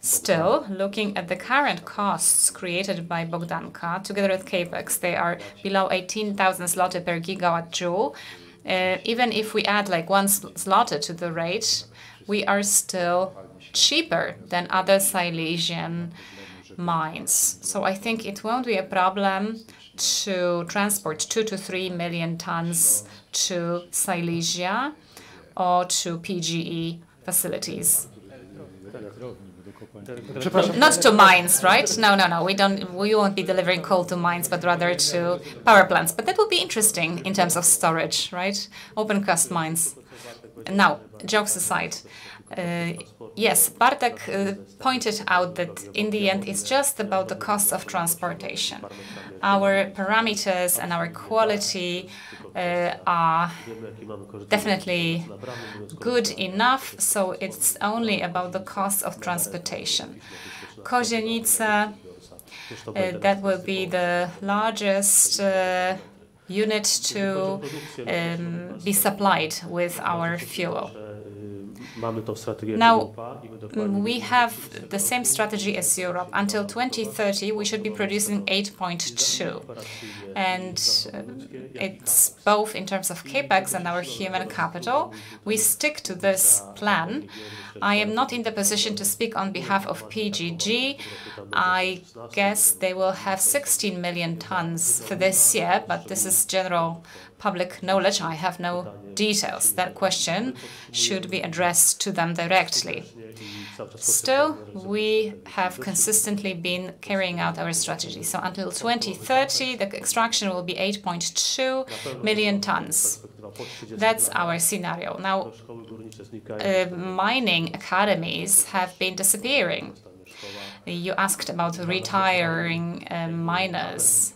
Still, looking at the current costs created by Bogdanka, together with CapEx, they are below 18,000 zloty per GJ. Even if we add 1 zloty to the rate, we are still cheaper than other Silesian mines. I think it won't be a problem to transport 2 million-3 million tons to Silesia or to PGE facilities. Not to mines, right? No, we won't be delivering coal to mines, but rather to power plants. That will be interesting in terms of storage, right? Open cast mines. Jokes aside. Yes, Bartosz pointed out that in the end, it's just about the cost of transportation. Our parameters and our quality are definitely good enough, it's only about the cost of transportation. Kozienice, that will be the largest unit to be supplied with our fuel. We have the same strategy as Europe. Until 2030, we should be producing 8.2, it's both in terms of CapEx and our human capital. We stick to this plan. I am not in the position to speak on behalf of PGG. I guess they will have 16 million tons for this year, but this is general public knowledge. I have no details. That question should be addressed to them directly. We have consistently been carrying out our strategy. Until 2030, the extraction will be 8.2 million tons. That's our scenario. Mining academies have been disappearing. You asked about retiring miners.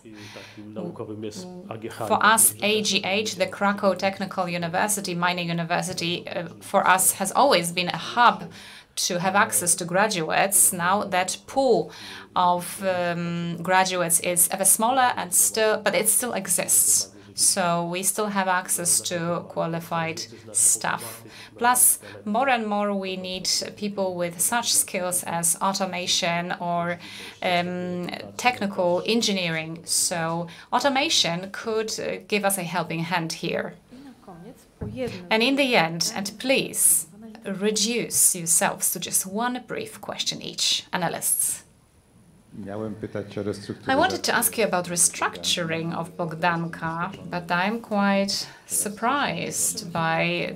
For us, AGH, the Cracow Technical University, Mining University, for us has always been a hub to have access to graduates. That pool of graduates is ever smaller, it still exists, we still have access to qualified staff. More and more we need people with such skills as automation or technical engineering. Automation could give us a helping hand here. In the end, please reduce yourselves to just one brief question each, analysts. I wanted to ask you about restructuring of Bogdanka, but I am quite surprised by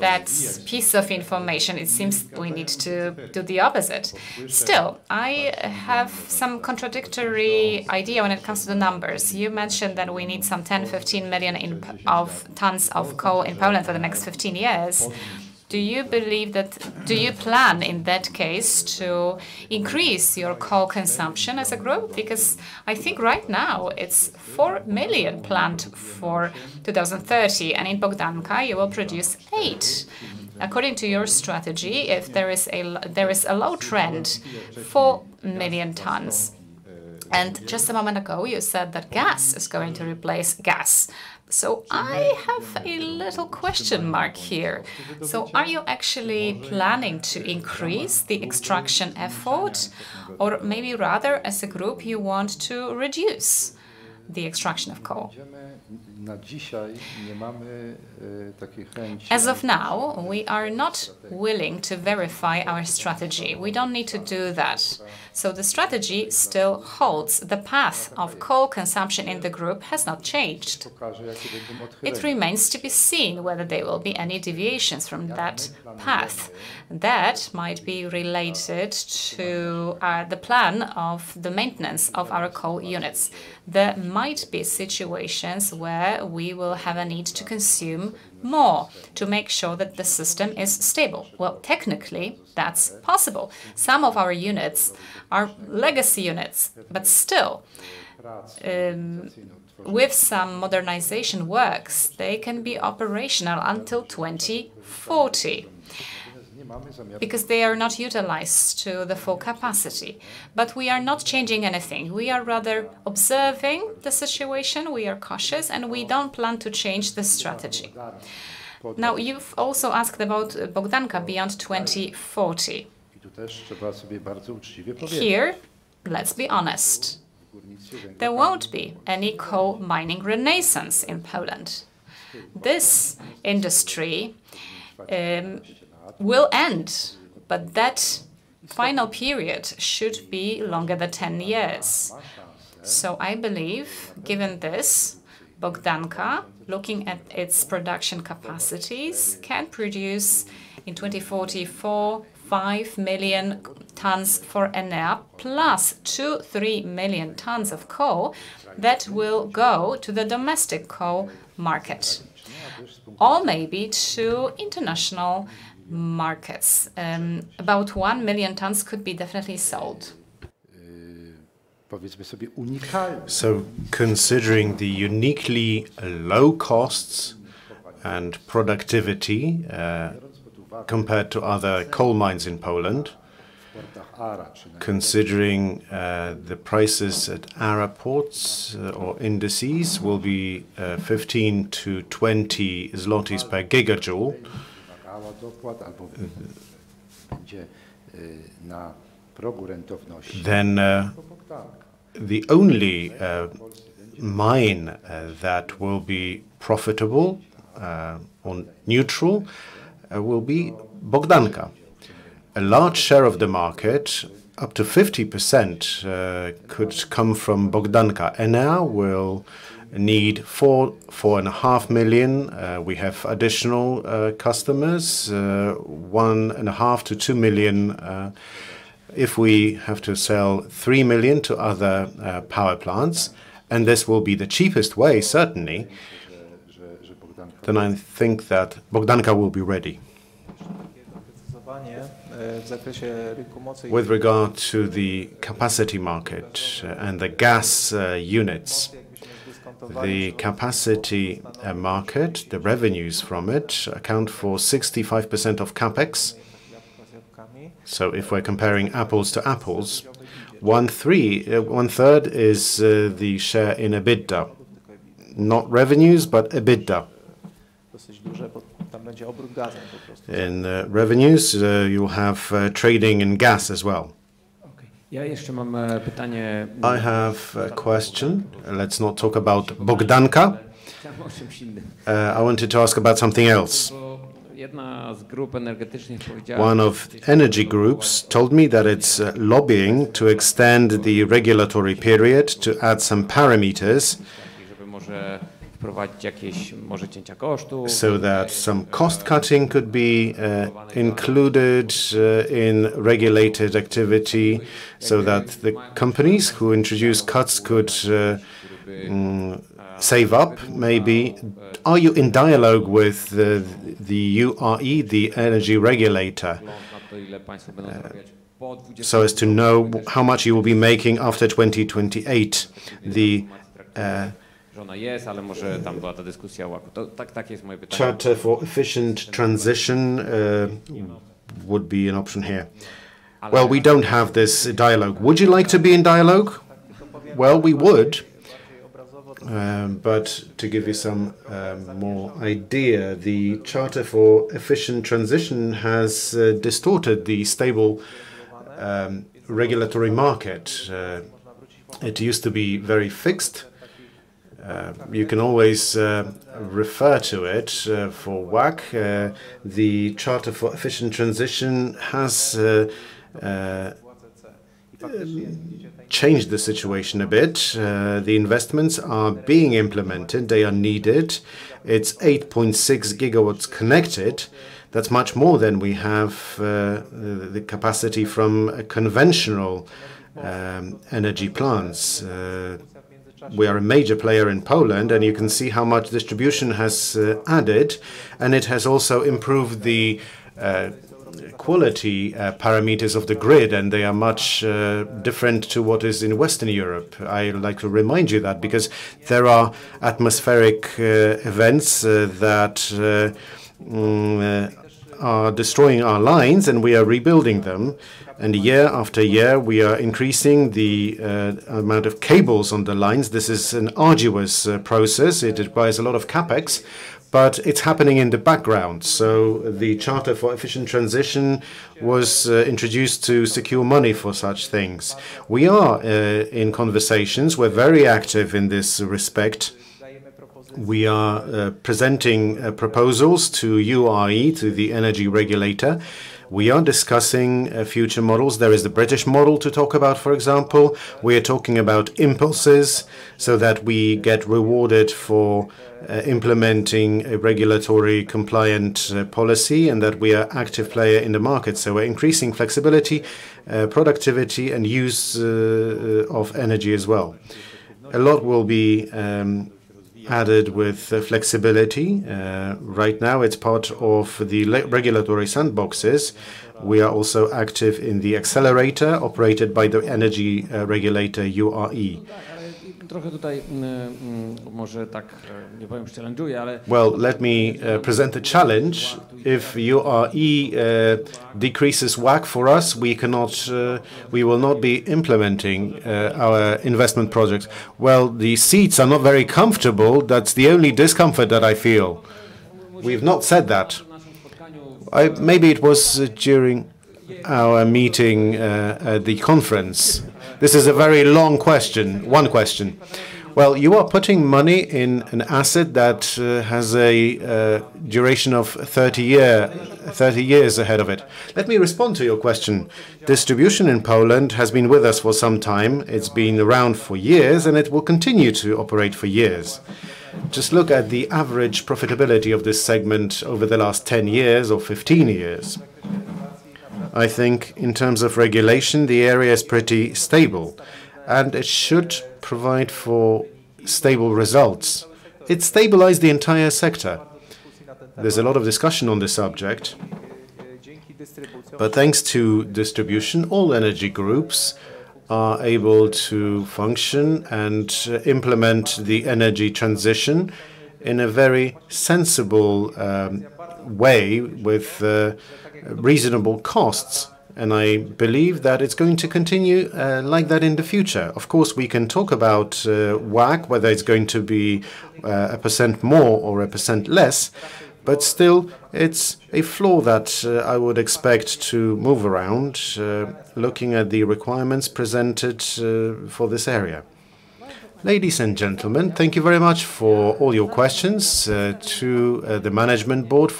that piece of information. It seems we need to do the opposite. I have some contradictory idea when it comes to the numbers. You mentioned that we need some 10-15 million tons of coal in Poland for the next 15 years. Do you plan, in that case, to increase your coal consumption as a group? Because I think right now it is 4 million planned for 2030, and in Bogdanka, you will produce eight. According to your strategy, if there is a low trend, 4 million tons. Just a moment ago, you said that gas is going to replace gas. I have a little question mark here. Are you actually planning to increase the extraction effort, or maybe rather as a group, you want to reduce? The extraction of coal. As of now, we are not willing to verify our strategy. We don't need to do that. The strategy still holds. The path of coal consumption in the group has not changed. It remains to be seen whether there will be any deviations from that path, that might be related to the plan of the maintenance of our coal units. There might be situations where we will have a need to consume more to make sure that the system is stable. Well, technically, that's possible. Some of our units are legacy units, but still, with some modernization works, they can be operational until 2040 because they are not utilized to the full capacity. We are not changing anything. We are rather observing the situation. We are cautious, and we don't plan to change the strategy. You've also asked about Bogdanka beyond 2040. Let's be honest, there won't be any coal mining renaissance in Poland. This industry will end, that final period should be longer than 10 years. I believe, given this, Bogdanka, looking at its production capacities, can produce in 2044, 5 million tons for Enea, plus 2-3 million tons of coal that will go to the domestic coal market, or maybe to international markets. About 1 million tons could be definitely sold. Considering the uniquely low costs and productivity, compared to other coal mines in Poland, considering the prices at ARA ports or indices will be 15-20 zlotys per gigajoule, the only mine that will be profitable or neutral will be Bogdanka. A large share of the market, up to 50%, could come from Bogdanka. Enea will need 4.5 million. We have additional customers, 1.5 million-2 million, if we have to sell 3 million to other power plants. This will be the cheapest way, certainly. I think that Bogdanka will be ready. With regard to the capacity market and the gas units. The capacity market, the revenues from it, account for 65% of CapEx. If we're comparing apples to apples, one-third is the share in EBITDA. Not revenues, but EBITDA. In revenues, you have trading in gas as well. I have a question. Let's not talk about Bogdanka. I wanted to ask about something else. One of energy groups told me that it's lobbying to extend the regulatory period to add some parameters, so that some cost-cutting could be included in regulated activity, so that the companies who introduce cuts could save up, maybe. Are you in dialogue with the URE, the energy regulator, so as to know how much you will be making after 2028? Charter for efficient transition would be an option here. Well, we don't have this dialogue. Would you like to be in dialogue? Well, we would. To give you some more idea, the Charter for efficient transition has distorted the stable regulatory market. It used to be very fixed. You can always refer to it for work. The Charter for efficient transition has changed the situation a bit. The investments are being implemented. They are needed. It's 8.6 GW connected. That's much more than we have the capacity from conventional energy plants. We are a major player in Poland, and you can see how much distribution has added, and it has also improved the quality parameters of the grid, and they are much different to what is in Western Europe. I like to remind you that, because there are atmospheric events that are destroying our lines, we are rebuilding them. Year after year, we are increasing the amount of cables on the lines. This is an arduous process. It requires a lot of CapEx. It's happening in the background. The charter for efficient transition was introduced to secure money for such things. We are in conversations. We're very active in this respect. We are presenting proposals to URE, to the energy regulator. We are discussing future models. There is the British model to talk about, for example. We are talking about impulses so that we get rewarded for implementing a regulatory compliant policy, and that we are active player in the market. We're increasing flexibility, productivity, and use of energy as well. A lot will be added with flexibility. Right now, it's part of the regulatory sandboxes. We are also active in the accelerator operated by the energy regulator, URE. Well, let me present a challenge. If URE decreases WACC for us, we will not be implementing our investment projects. Well, the seats are not very comfortable. That's the only discomfort that I feel. We've not said that. Maybe it was during our meeting at the conference. This is a very long question. One question. Well, you are putting money in an asset that has a duration of 30 years ahead of it. Let me respond to your question. Distribution in Poland has been with us for some time. It's been around for years, and it will continue to operate for years. Just look at the average profitability of this segment over the last 10 years or 15 years. I think in terms of regulation, the area is pretty stable, and it should provide for stable results. It stabilized the entire sector. There's a lot of discussion on this subject, but thanks to distribution, all energy groups are able to function and implement the energy transition in a very sensible way with reasonable costs, and I believe that it's going to continue like that in the future. Of course, we can talk about WACC, whether it's going to be 1% more or 1% less, but still, it's a flaw that I would expect to move around, looking at the requirements presented for this area. Ladies and gentlemen, thank you very much for all your questions, to the management board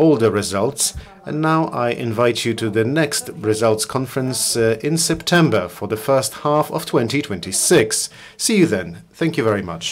for discussing all the results. Now I invite you to the next results conference in September, for the first half of 2026. See you then. Thank you very much.